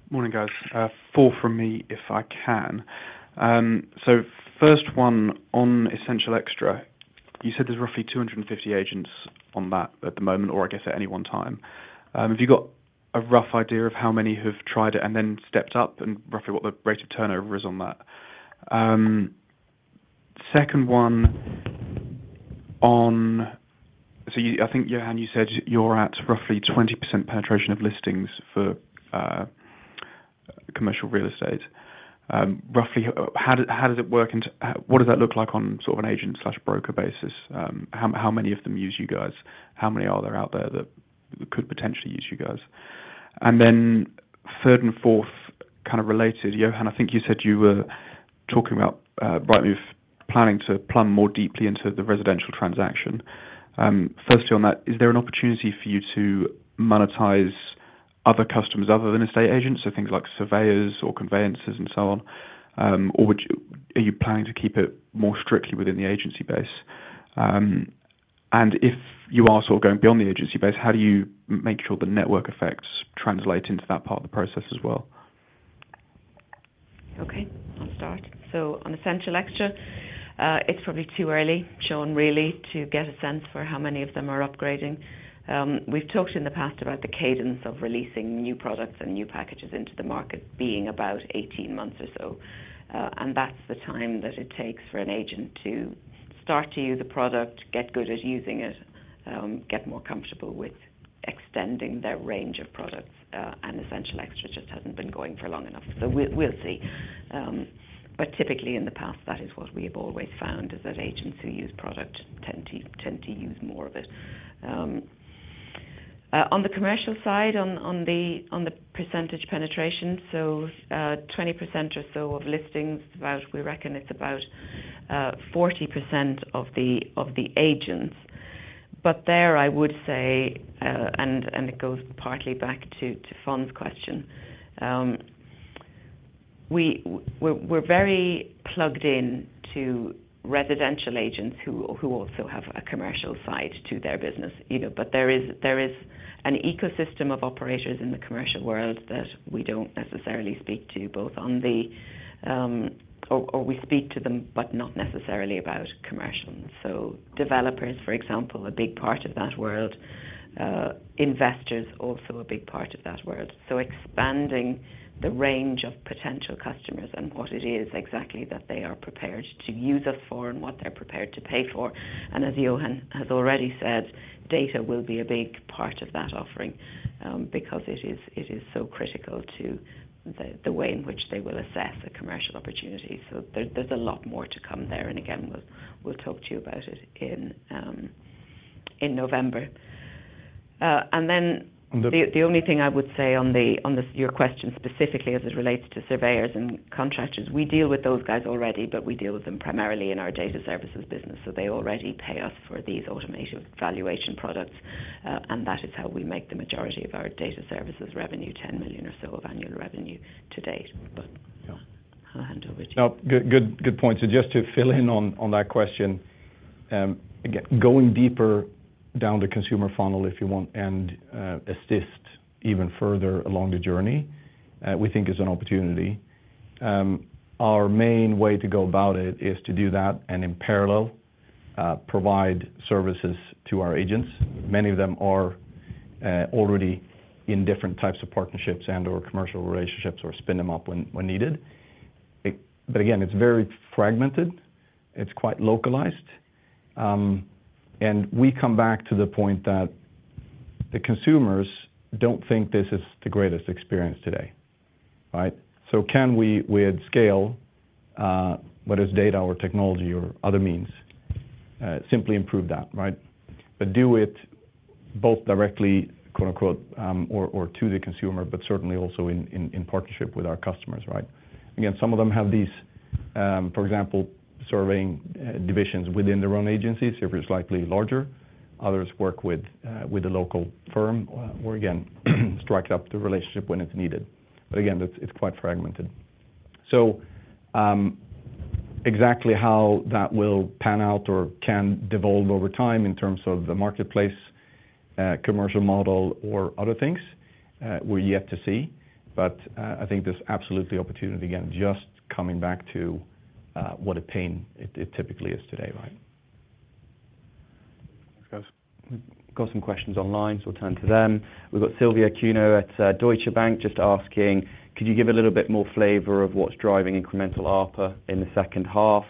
Morning, guys. Four from me, if I can. First one, on Essential Extra, you said there's roughly 250 agents on that at the moment, or I guess at any one time. Have you got a rough idea of how many have tried it and then stepped up, and roughly what the rate of turnover is on that? Second one, on... you, I think, Johan, you said you're at roughly 20% penetration of listings for commercial real estate. Roughly, how did, how does it work into-- what does that look like on sort of an agent/broker basis? How, how many of them use you guys? How many are there out there that could potentially use you guys? Third and fourth, kind of related. Johan, I think you said you were-... talking about, Rightmove planning to plumb more deeply into the residential transaction. Firstly on that, is there an opportunity for you to monetize other customers other than estate agents, so things like surveyors or conveyancers and so on? Or would you- are you planning to keep it more strictly within the agency base? If you are sort of going beyond the agency base, how do you make sure the network effects translate into that part of the process as well? Okay, I'll start. On Essential Extra, it's probably too early, Sean, really, to get a sense for how many of them are upgrading. We've talked in the past about the cadence of releasing new products and new packages into the market being about 18 months or so. That's the time that it takes for an agent to start to use a product, get good at using it, get more comfortable with extending their range of products. Essential Extra just hasn't been going for long enough. We'll, we'll see. Typically in the past, that is what we have always found, is that agents who use product tend to, tend to use more of it. On the commercial side, on, on the, on the percentage penetration, 20% or so of listings, about... We reckon it's about 40% of the, of the agents. There, I would say, it goes partly back to Fon question. We're, we're very plugged in to residential agents who, who also have a commercial side to their business, you know. There is, there is an ecosystem of operators in the commercial world that we don't necessarily speak to, both on the... We speak to them, but not necessarily about commercial. Developers, for example, are a big part of that world. Investors, also a big part of that world. Expanding the range of potential customers and what it is exactly that they are prepared to use us for and what they're prepared to pay for. As Johan has already said, data will be a big part of that offering because it is, it is so critical to the, the way in which they will assess a commercial opportunity. There, there's a lot more to come there, and again, we'll, we'll talk to you about it in November. On the- The, the only thing I would say on the, on the, your question specifically as it relates to surveyors and contractors, we deal with those guys already, but we deal with them primarily in our data services business, so they already pay us for these automated valuation products. That is how we make the majority of our data services revenue, 10 million or so of annual revenue to date. Yeah. I'll hand over to you. Good, good, good point. Just to fill in on, on that question, again, going deeper down the consumer funnel, if you want, and assist even further along the journey, we think is an opportunity. Our main way to go about it is to do that, and in parallel, provide services to our agents. Many of them are already in different types of partnerships and/or commercial relationships, or spin them up when, when needed. Again, it's very fragmented. It's quite localized. We come back to the point that the consumers don't think this is the greatest experience today, right? Can we, with scale, whether it's data or technology or other means, simply improve that, right? Do it both directly, quote, unquote, or, or to the consumer, but certainly also in, in, in partnership with our customers, right? Again, some of them have these, for example, surveying, divisions within their own agencies, if it's likely larger. Others work with, with a local firm, or again, strike up the relationship when it's needed. Again, it's, it's quite fragmented. Exactly how that will pan out or can devolve over time in terms of the marketplace, commercial model or other things, we're yet to see. I think there's absolutely opportunity, again, just coming back to, what a pain it, it typically is today, right? Thanks, guys. Got some questions online, so we'll turn to them. We've got Silvia Cuno at Deutsche Bank, just asking: Could you give a little bit more flavor of what's driving incremental ARPA in the H2?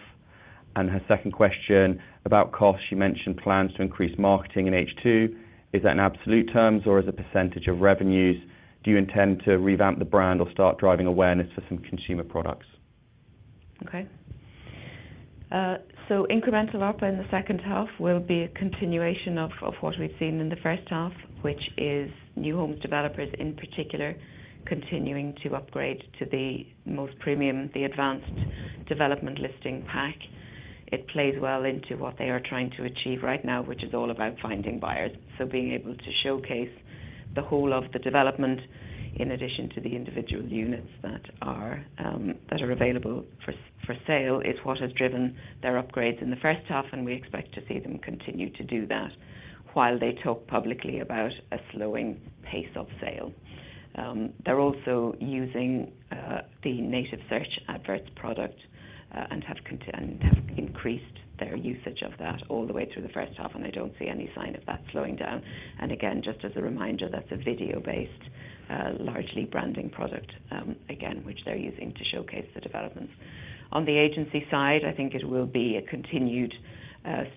Her second question about costs, she mentioned plans to increase marketing in H2. Is that in absolute terms or as a % of revenues? Do you intend to revamp the brand or start driving awareness for some consumer products? Okay. Incremental ARPA in the H2 will be a continuation of, of what we've seen in the H1, which is new home developers, in particular, continuing to upgrade to the most premium, the advanced development listing pack. It plays well into what they are trying to achieve right now, which is all about finding buyers. Being able to showcase the whole of the development in addition to the individual units that are available for sale, is what has driven their upgrades in the H1, and we expect to see them continue to do that while they talk publicly about a slowing pace of sale. They're also using the native search adverts product and have increased their usage of that all the way through the H1. They don't see any sign of that slowing down. Just as a reminder, that's a video-based, largely branding product again, which they're using to showcase the developments. On the agency side, I think it will be a continued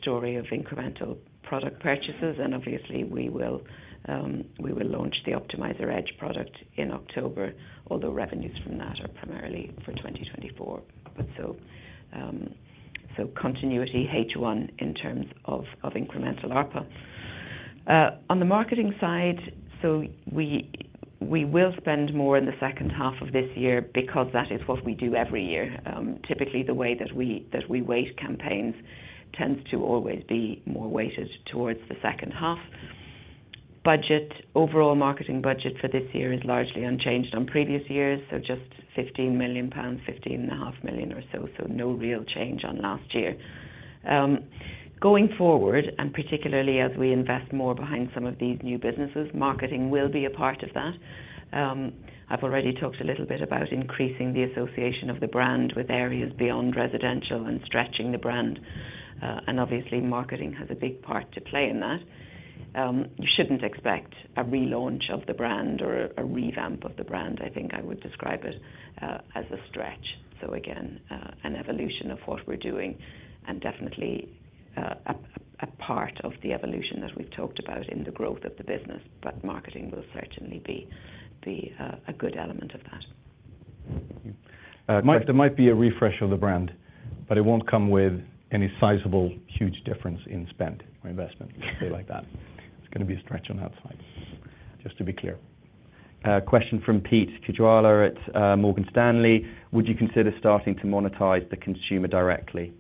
story of incremental product purchases, and obviously, we will launch the Optimizer Edge product in October, although revenues from that are primarily for 2024. Continuity H1 in terms of incremental ARPA. On the marketing side, we will spend more in the H2 of this year because that is what we do every year. Typically, the way that we, that we weight campaigns tends to always be more weighted towards the H2. Budget, overall marketing budget for this year is largely unchanged on previous years, so just 15 million pounds, 15.5 million or so. No real change on last year. Going forward, and particularly as we invest more behind some of these new businesses, marketing will be a part of that. I've already talked a little bit about increasing the association of the brand with areas beyond residential and stretching the brand, and obviously, marketing has a big part to play in that. You shouldn't expect a relaunch of the brand or a revamp of the brand. I think I would describe it as a stretch. Again, an evolution of what we're doing and definitely, a, a part of the evolution that we've talked about in the growth of the business, but marketing will certainly be, be, a good element of that. There might be a refresh of the brand, but it won't come with any sizable, huge difference in spend or investment, let's say it like that. It's gonna be a stretch on that side, just to be clear. Question from Pete Kujala at Morgan Stanley: Would you consider starting to monetize the consumer directly?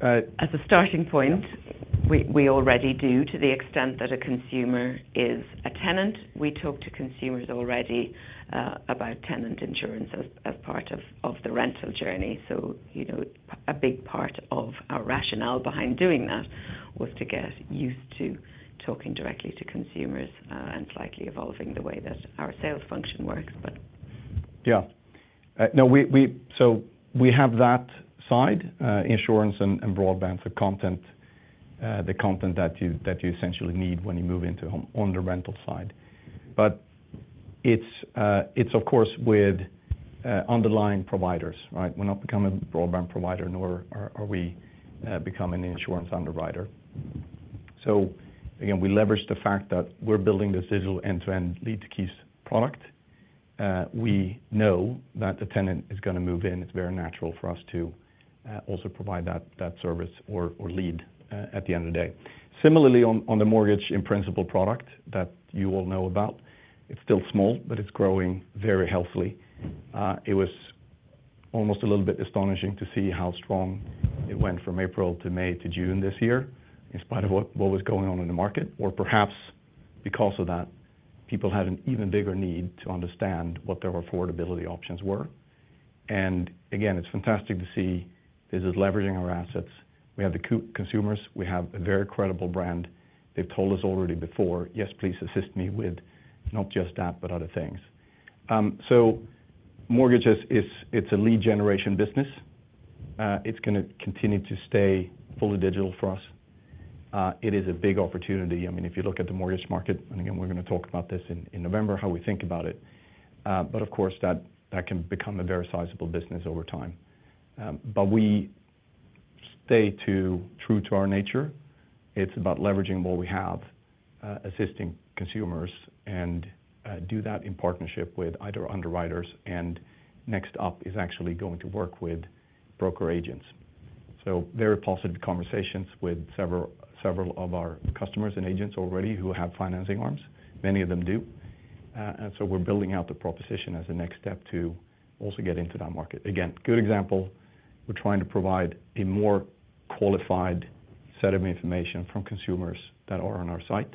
As a starting point, we, we already do, to the extent that a consumer is a tenant. We talk to consumers already, about tenant insurance as, as part of, of the rental journey. You know, a big part of our rationale behind doing that was to get used to talking directly to consumers, and slightly evolving the way that our sales function works, but. Yeah. No, we have that side, insurance and broadband, the content that you essentially need when you move into a home on the rental side. But it's of course, with underlying providers, right? We're not becoming a broadband provider, nor are we becoming an insurance underwriter. So again, we leverage the fact that we're building this digital end-to-end lead to keys product. We know that the tenant is going to move in. It's very natural for us to also provide that service or lead at the end of the day. Similarly, on the mortgage in-principle product that you all know about, it's still small, but it's growing very healthily. It was almost a little bit astonishing to see how strong it went from April to May to June this year, in spite of what, what was going on in the market, or perhaps because of that, people had an even bigger need to understand what their affordability options were. Again, it's fantastic to see this is leveraging our assets. We have the consumers, we have a very credible brand. They've told us already before, "Yes, please assist me with not just that, but other things." Mortgages is, it's a lead generation business. It's gonna continue to stay fully digital for us. It is a big opportunity. I mean, if you look at the mortgage market, and again, we're gonna talk about this in, in November, how we think about it, but of course, that, that can become a very sizable business over time. We stay to true to our nature. It's about leveraging what we have, assisting consumers, and do that in partnership with either underwriters, and next up is actually going to work with broker agents. Very positive conversations with several, several of our customers and agents already who have financing arms, many of them do, and so we're building out the proposition as a next step to also get into that market. Again, good example, we're trying to provide a more qualified set of information from consumers that are on our site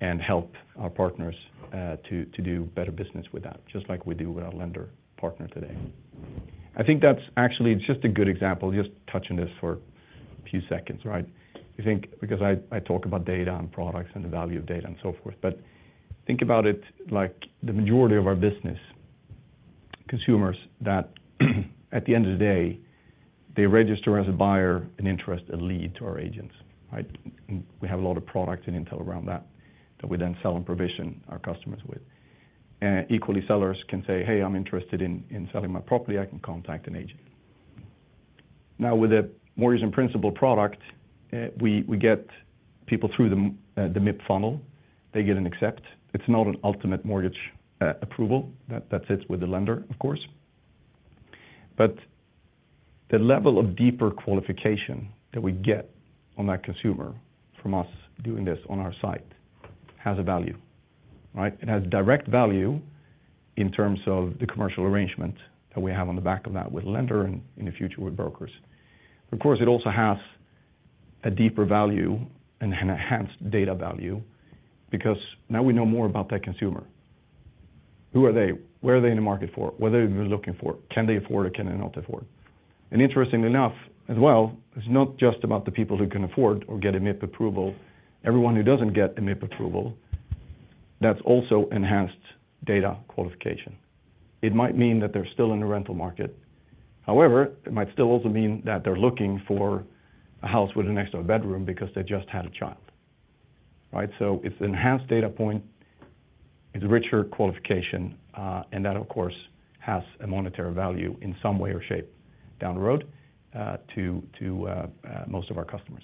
and help our partners to, to do better business with that, just like we do with our lender partner today. I think that's actually just a good example, just touching this for a few seconds, right? I think because I, I talk about data and products and the value of data and so forth, but think about it like the majority of our business consumers that, at the end of the day, they register as a buyer, an interest, a lead to our agents, right? We have a lot of products and intel around that, that we then sell and provision our customers with. Equally, sellers can say, "Hey, I'm interested in, in selling my property. I can contact an agent." Now, with a mortgage in principle product, we, we get people through the MIP funnel. They get an accept. It's not an ultimate mortgage approval. That, that sits with the lender, of course. The level of deeper qualification that we get on that consumer from us doing this on our site has a value, right? It has direct value in terms of the commercial arrangement that we have on the back of that with lender and in the future with brokers. Of course, it also has a deeper value and an enhanced data value because now we know more about that consumer. Who are they? What are they in the market for? What are they looking for? Can they afford it? Can they not afford? Interestingly enough, as well, it's not just about the people who can afford or get a MIP approval. Everyone who doesn't get a MIP approval, that's also enhanced data qualification. It might mean that they're still in the rental market. However, it might still also mean that they're looking for a house with an extra bedroom because they just had a child, right? It's enhanced data point, it's a richer qualification, and that, of course, has a monetary value in some way or shape down the road, to, to, most of our customers.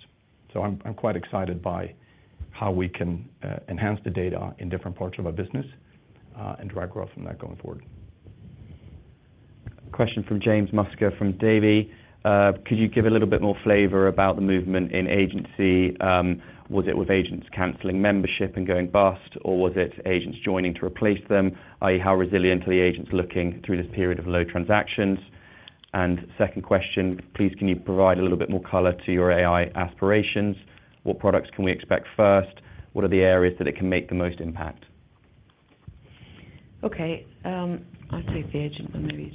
I'm, I'm quite excited by how we can, enhance the data in different parts of our business, and drive growth from that going forward.... Question from James Musker from Davy. Could you give a little bit more flavor about the movement in agency? Was it with agents canceling membership and going bust, or was it agents joining to replace them? I.e., how resilient are the agents looking through this period of low transactions? Second question, please, can you provide a little bit more color to your AI aspirations? What products can we expect first? What are the areas that it can make the most impact? Okay, I'll take the agent, and maybe you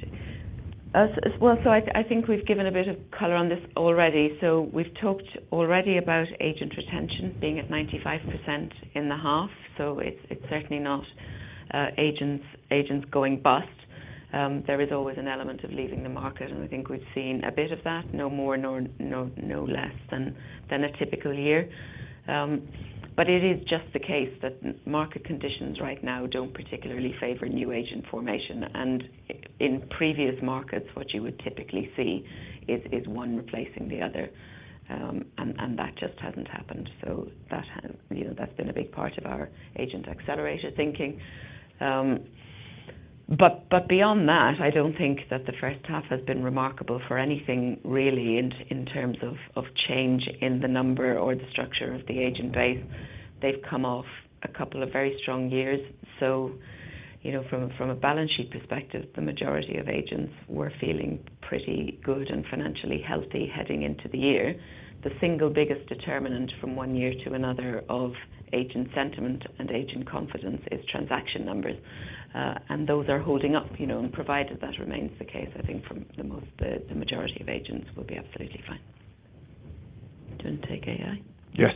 take... well, I, I think we've given a bit of color on this already. We've talked already about agent retention being at 95% in the half, so it's, it's certainly not, agents, agents going bust. There is always an element of leaving the market, and I think we've seen a bit of that, no more, nor, no, no less than, than a typical year. It is just the case that market conditions right now don't particularly favor new agent formation. In previous markets, what you would typically see is, is one replacing the other, and that just hasn't happened. That you know, that's been a big part of our agent accelerator thinking. Beyond that, I don't think that the H1 has been remarkable for anything really in, in terms of, of change in the number or the structure of the agent base. They've come off a couple of very strong years. You know, from, from a balance sheet perspective, the majority of agents were feeling pretty good and financially healthy heading into the year. The single biggest determinant from one year to another of agent sentiment and agent confidence is transaction numbers, and those are holding up, you know, and provided that remains the case, I think from the most, the, the majority of agents will be absolutely fine. Do you want to take AI? Yes.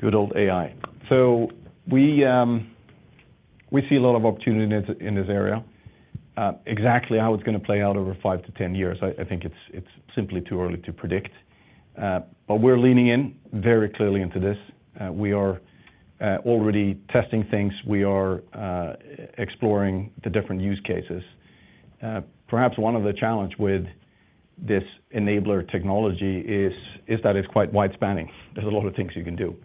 Good old AI. We see a lot of opportunity in this, in this area. Exactly how it's gonna play out over five to 10 years, I, I think it's, it's simply too early to predict. We're leaning in very clearly into this. We are already testing things. We are exploring the different use cases. Perhaps one of the challenge with this enabler technology is that it's quite wide-spanning. There's a lot of things you can do.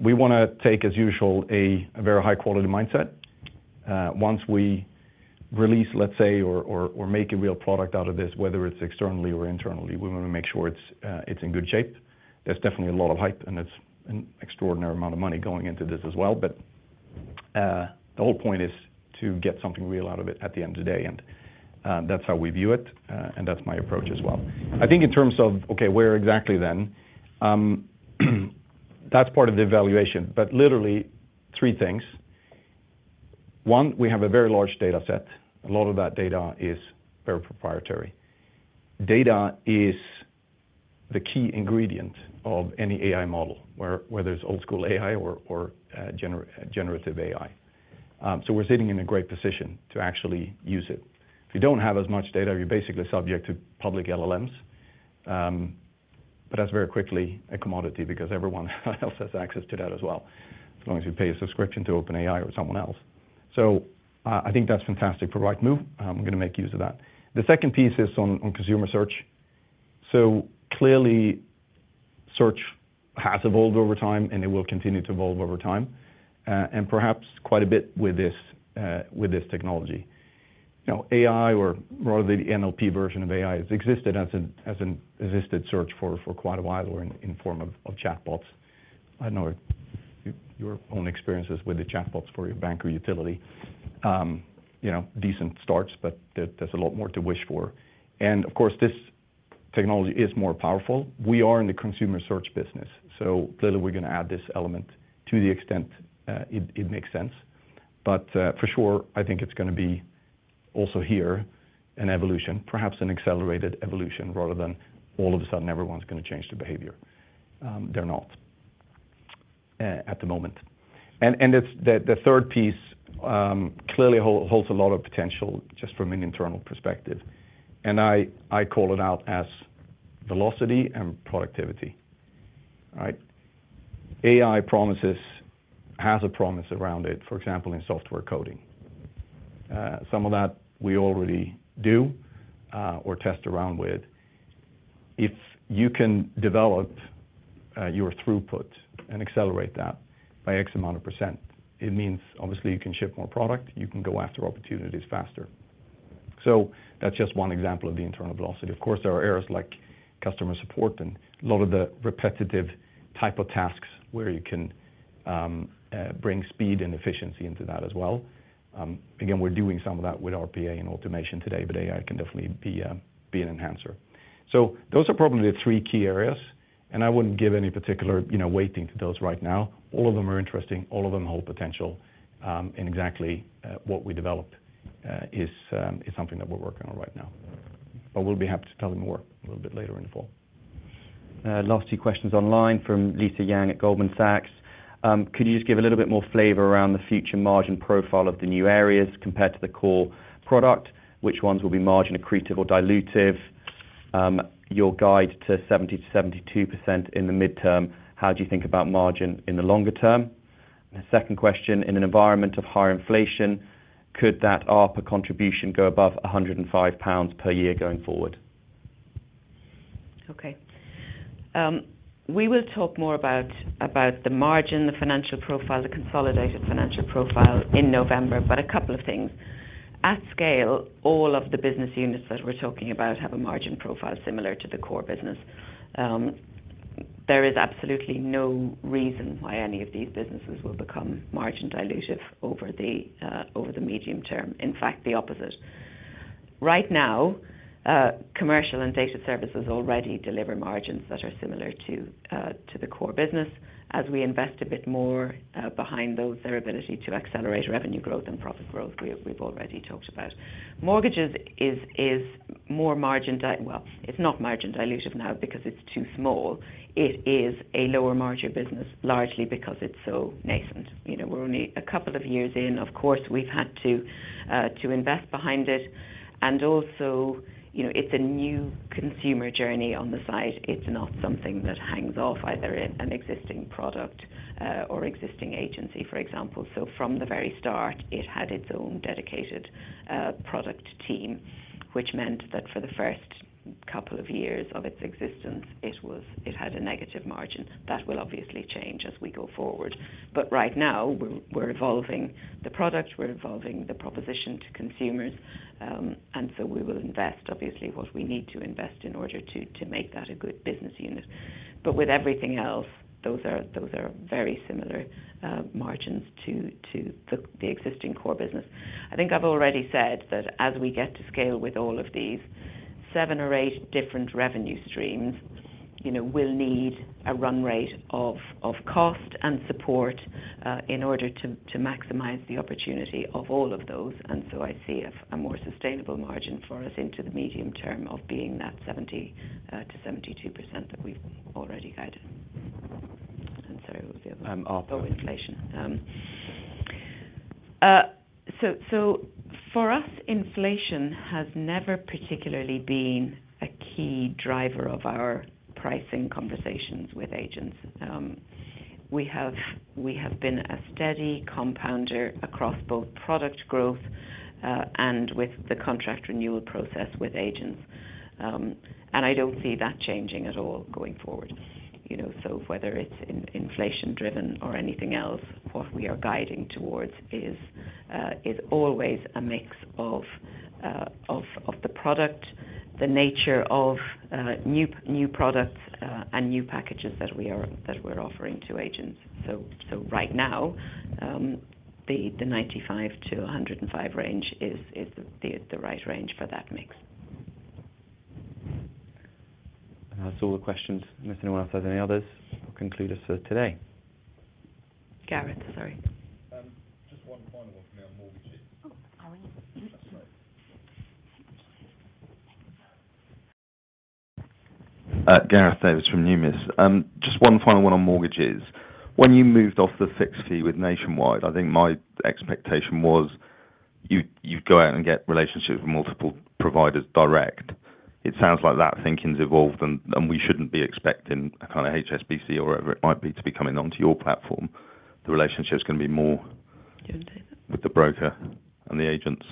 We wanna take, as usual, a, a very high-quality mindset. Once we release, let's say, or, or, or make a real product out of this, whether it's externally or internally, we wanna make sure it's in good shape. There's definitely a lot of hype, and it's an extraordinary amount of money going into this as well. The whole point is to get something real out of it at the end of the day, and that's how we view it, and that's my approach as well. I think in terms of, okay, where exactly then? That's part of the evaluation, but literally 3 things. 1, we have a very large dataset. A lot of that data is very proprietary. Data is the key ingredient of any AI model, whether it's old school AI or generative AI. We're sitting in a great position to actually use it. If you don't have as much data, you're basically subject to public LLMs. That's very quickly a commodity because everyone else has access to that as well, as long as you pay a subscription to OpenAI or someone else. I think that's fantastic for Rightmove. We're gonna make use of that. The second piece is on, on consumer search. Clearly, search has evolved over time, and it will continue to evolve over time, and perhaps quite a bit with this technology. You know, AI, or rather the NLP version of AI, has existed as an, as an assisted search for, for quite a while, or in, in form of, of chatbots. I don't know your, your own experiences with the chatbots for your bank or utility. You know, decent starts, but there, there's a lot more to wish for. Of course, this technology is more powerful. We are in the consumer search business, clearly, we're gonna add this element to the extent, it, it makes sense. For sure, I think it's gonna be also here, an evolution, perhaps an accelerated evolution, rather than all of a sudden, everyone's gonna change their behavior. They're not at the moment. It's... The third piece clearly holds a lot of potential, just from an internal perspective, and I, I call it out as velocity and productivity. All right? AI promises, has a promise around it, for example, in software coding. Some of that we already do or test around with. If you can develop your throughput and accelerate that by X amount of percent, it means obviously you can ship more product, you can go after opportunities faster. That's just one example of the internal velocity. Of course, there are areas like customer support and a lot of the repetitive type of tasks where you can bring speed and efficiency into that as well. Again, we're doing some of that with RPA and automation today, but AI can definitely be an enhancer. Those are probably the three key areas, and I wouldn't give any particular, you know, weighting to those right now. All of them are interesting. All of them hold potential, and exactly what we developed is something that we're working on right now. We'll be happy to tell you more a little bit later in the fall. Last two questions online from Lisa Yang at Goldman Sachs. Could you just give a little bit more flavor around the future margin profile of the new areas compared to the core product? Which ones will be margin accretive or dilutive? Your guide to 70%-72% in the midterm, how do you think about margin in the longer term? The second question, in an environment of higher inflation, could that ARPA contribution go above 105 pounds per year going forward? Okay. We will talk more about, about the margin, the financial profile, the consolidated financial profile in November. A couple of things. At scale, all of the business units that we're talking about have a margin profile similar to the core business. There is absolutely no reason why any of these businesses will become margin dilutive over the medium term. In fact, the opposite. Right now, commercial and data services already deliver margins that are similar to the core business. As we invest a bit more behind those, their ability to accelerate revenue growth and profit growth, we, we've already talked about. Mortgages is, is more margin. Well, it's not margin dilutive now because it's too small. It is a lower margin business, largely because it's so nascent. You know, we're only a couple of years in. Of course, we've had to to invest behind it, and also, you know, it's a new consumer journey on the site. It's not something that hangs off either an existing product or existing agency, for example. From the very start, it had its own dedicated product team, which meant that for the first couple of years of its existence, it had a negative margin. That will obviously change as we go forward. Right now, we're, we're evolving the product, we're evolving the proposition to consumers, and so we will invest, obviously, what we need to invest in order to, to make that a good business unit. With everything else, those are, those are very similar margins to, to the, the existing core business. I think I've already said that as we get to scale with all of these seven or eight different revenue streams, you know, we'll need a run rate of, of cost and support in order to, to maximize the opportunity of all of those. I see a, a more sustainable margin for us into the medium term of being that 70%-72% that we've already had. The other- Um, also- Inflation. For us, inflation has never particularly been a key driver of our pricing conversations with agents. We have, we have been a steady compounder across both product growth and with the contract renewal process with agents. I don't see that changing at all going forward. You know, whether it's inflation driven or anything else, what we are guiding towards is always a mix of the product, the nature of new, new products and new packages that we're offering to agents. Right now, the 95-105 range is the right range for that mix. That's all the questions, unless anyone else has any others, I'll conclude us for today. Gareth, sorry. Just one final one for me on mortgages. Oh, sorry. Gareth Davies from Numis. Just one final one on mortgages. When you moved off the fixed fee with Nationwide, I think my expectation was you'd, you'd go out and get relationships with multiple providers direct. It sounds like that thinking's evolved, and, and we shouldn't be expecting a kind of HSBC or whatever it might be, to be coming onto your platform. The relationship's going to be more- [AUDIO DISTORTION] with the broker and the agents.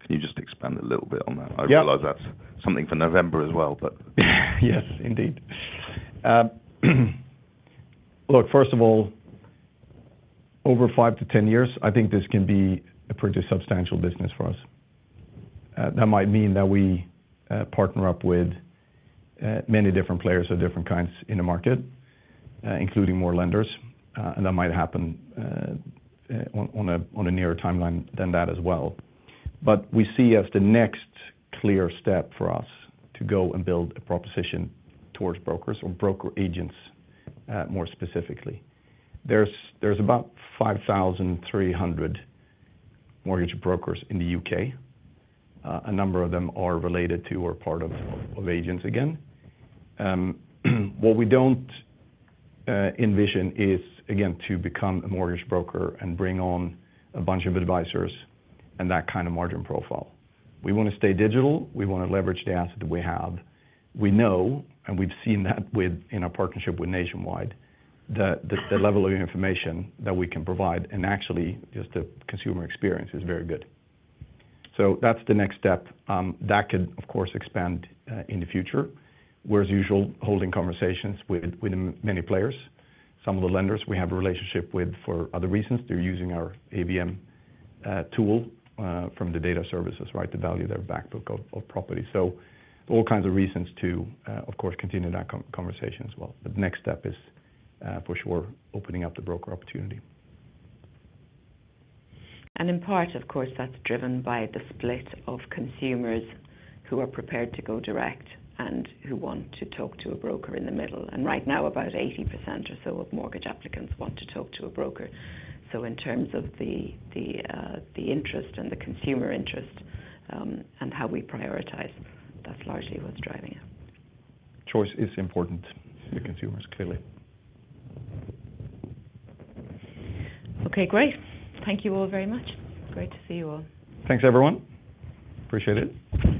Can you just expand a little bit on that? Yeah. I realize that's something for November as well, but... Yes, indeed. Look, first of all, over 5-10 years, I think this can be a pretty substantial business for us. That might mean that we partner up with many different players of different kinds in the market, including more lenders. That might happen on a nearer timeline than that as well. We see as the next clear step for us to go and build a proposition towards brokers or broker agents, more specifically. There's, there's about 5,300 mortgage brokers in the U.K. A number of them are related to or part of, of agents again. What we don't envision is, again, to become a mortgage broker and bring on a bunch of advisors and that kind of margin profile. We want to stay digital. We want to leverage the asset that we have. We know, and we've seen that with in our partnership with Nationwide, that the level of information that we can provide and actually just the consumer experience is very good. That's the next step. That could, of course, expand in the future. We're, as usual, holding conversations with, with many players. Some of the lenders we have a relationship with, for other reasons, they're using our ABM tool from the data services, right? To value their backbook of, of property. All kinds of reasons to, of course, continue that conversation as well. The next step is, for sure, opening up the broker opportunity. In part, of course, that's driven by the split of consumers who are prepared to go direct and who want to talk to a broker in the middle. Right now, about 80% or so of mortgage applicants want to talk to a broker. In terms of the, the, the interest and the consumer interest, and how we prioritize, that's largely what's driving it. Choice is important to consumers, clearly. Okay, great. Thank you all very much. Great to see you all. Thanks, everyone. Appreciate it.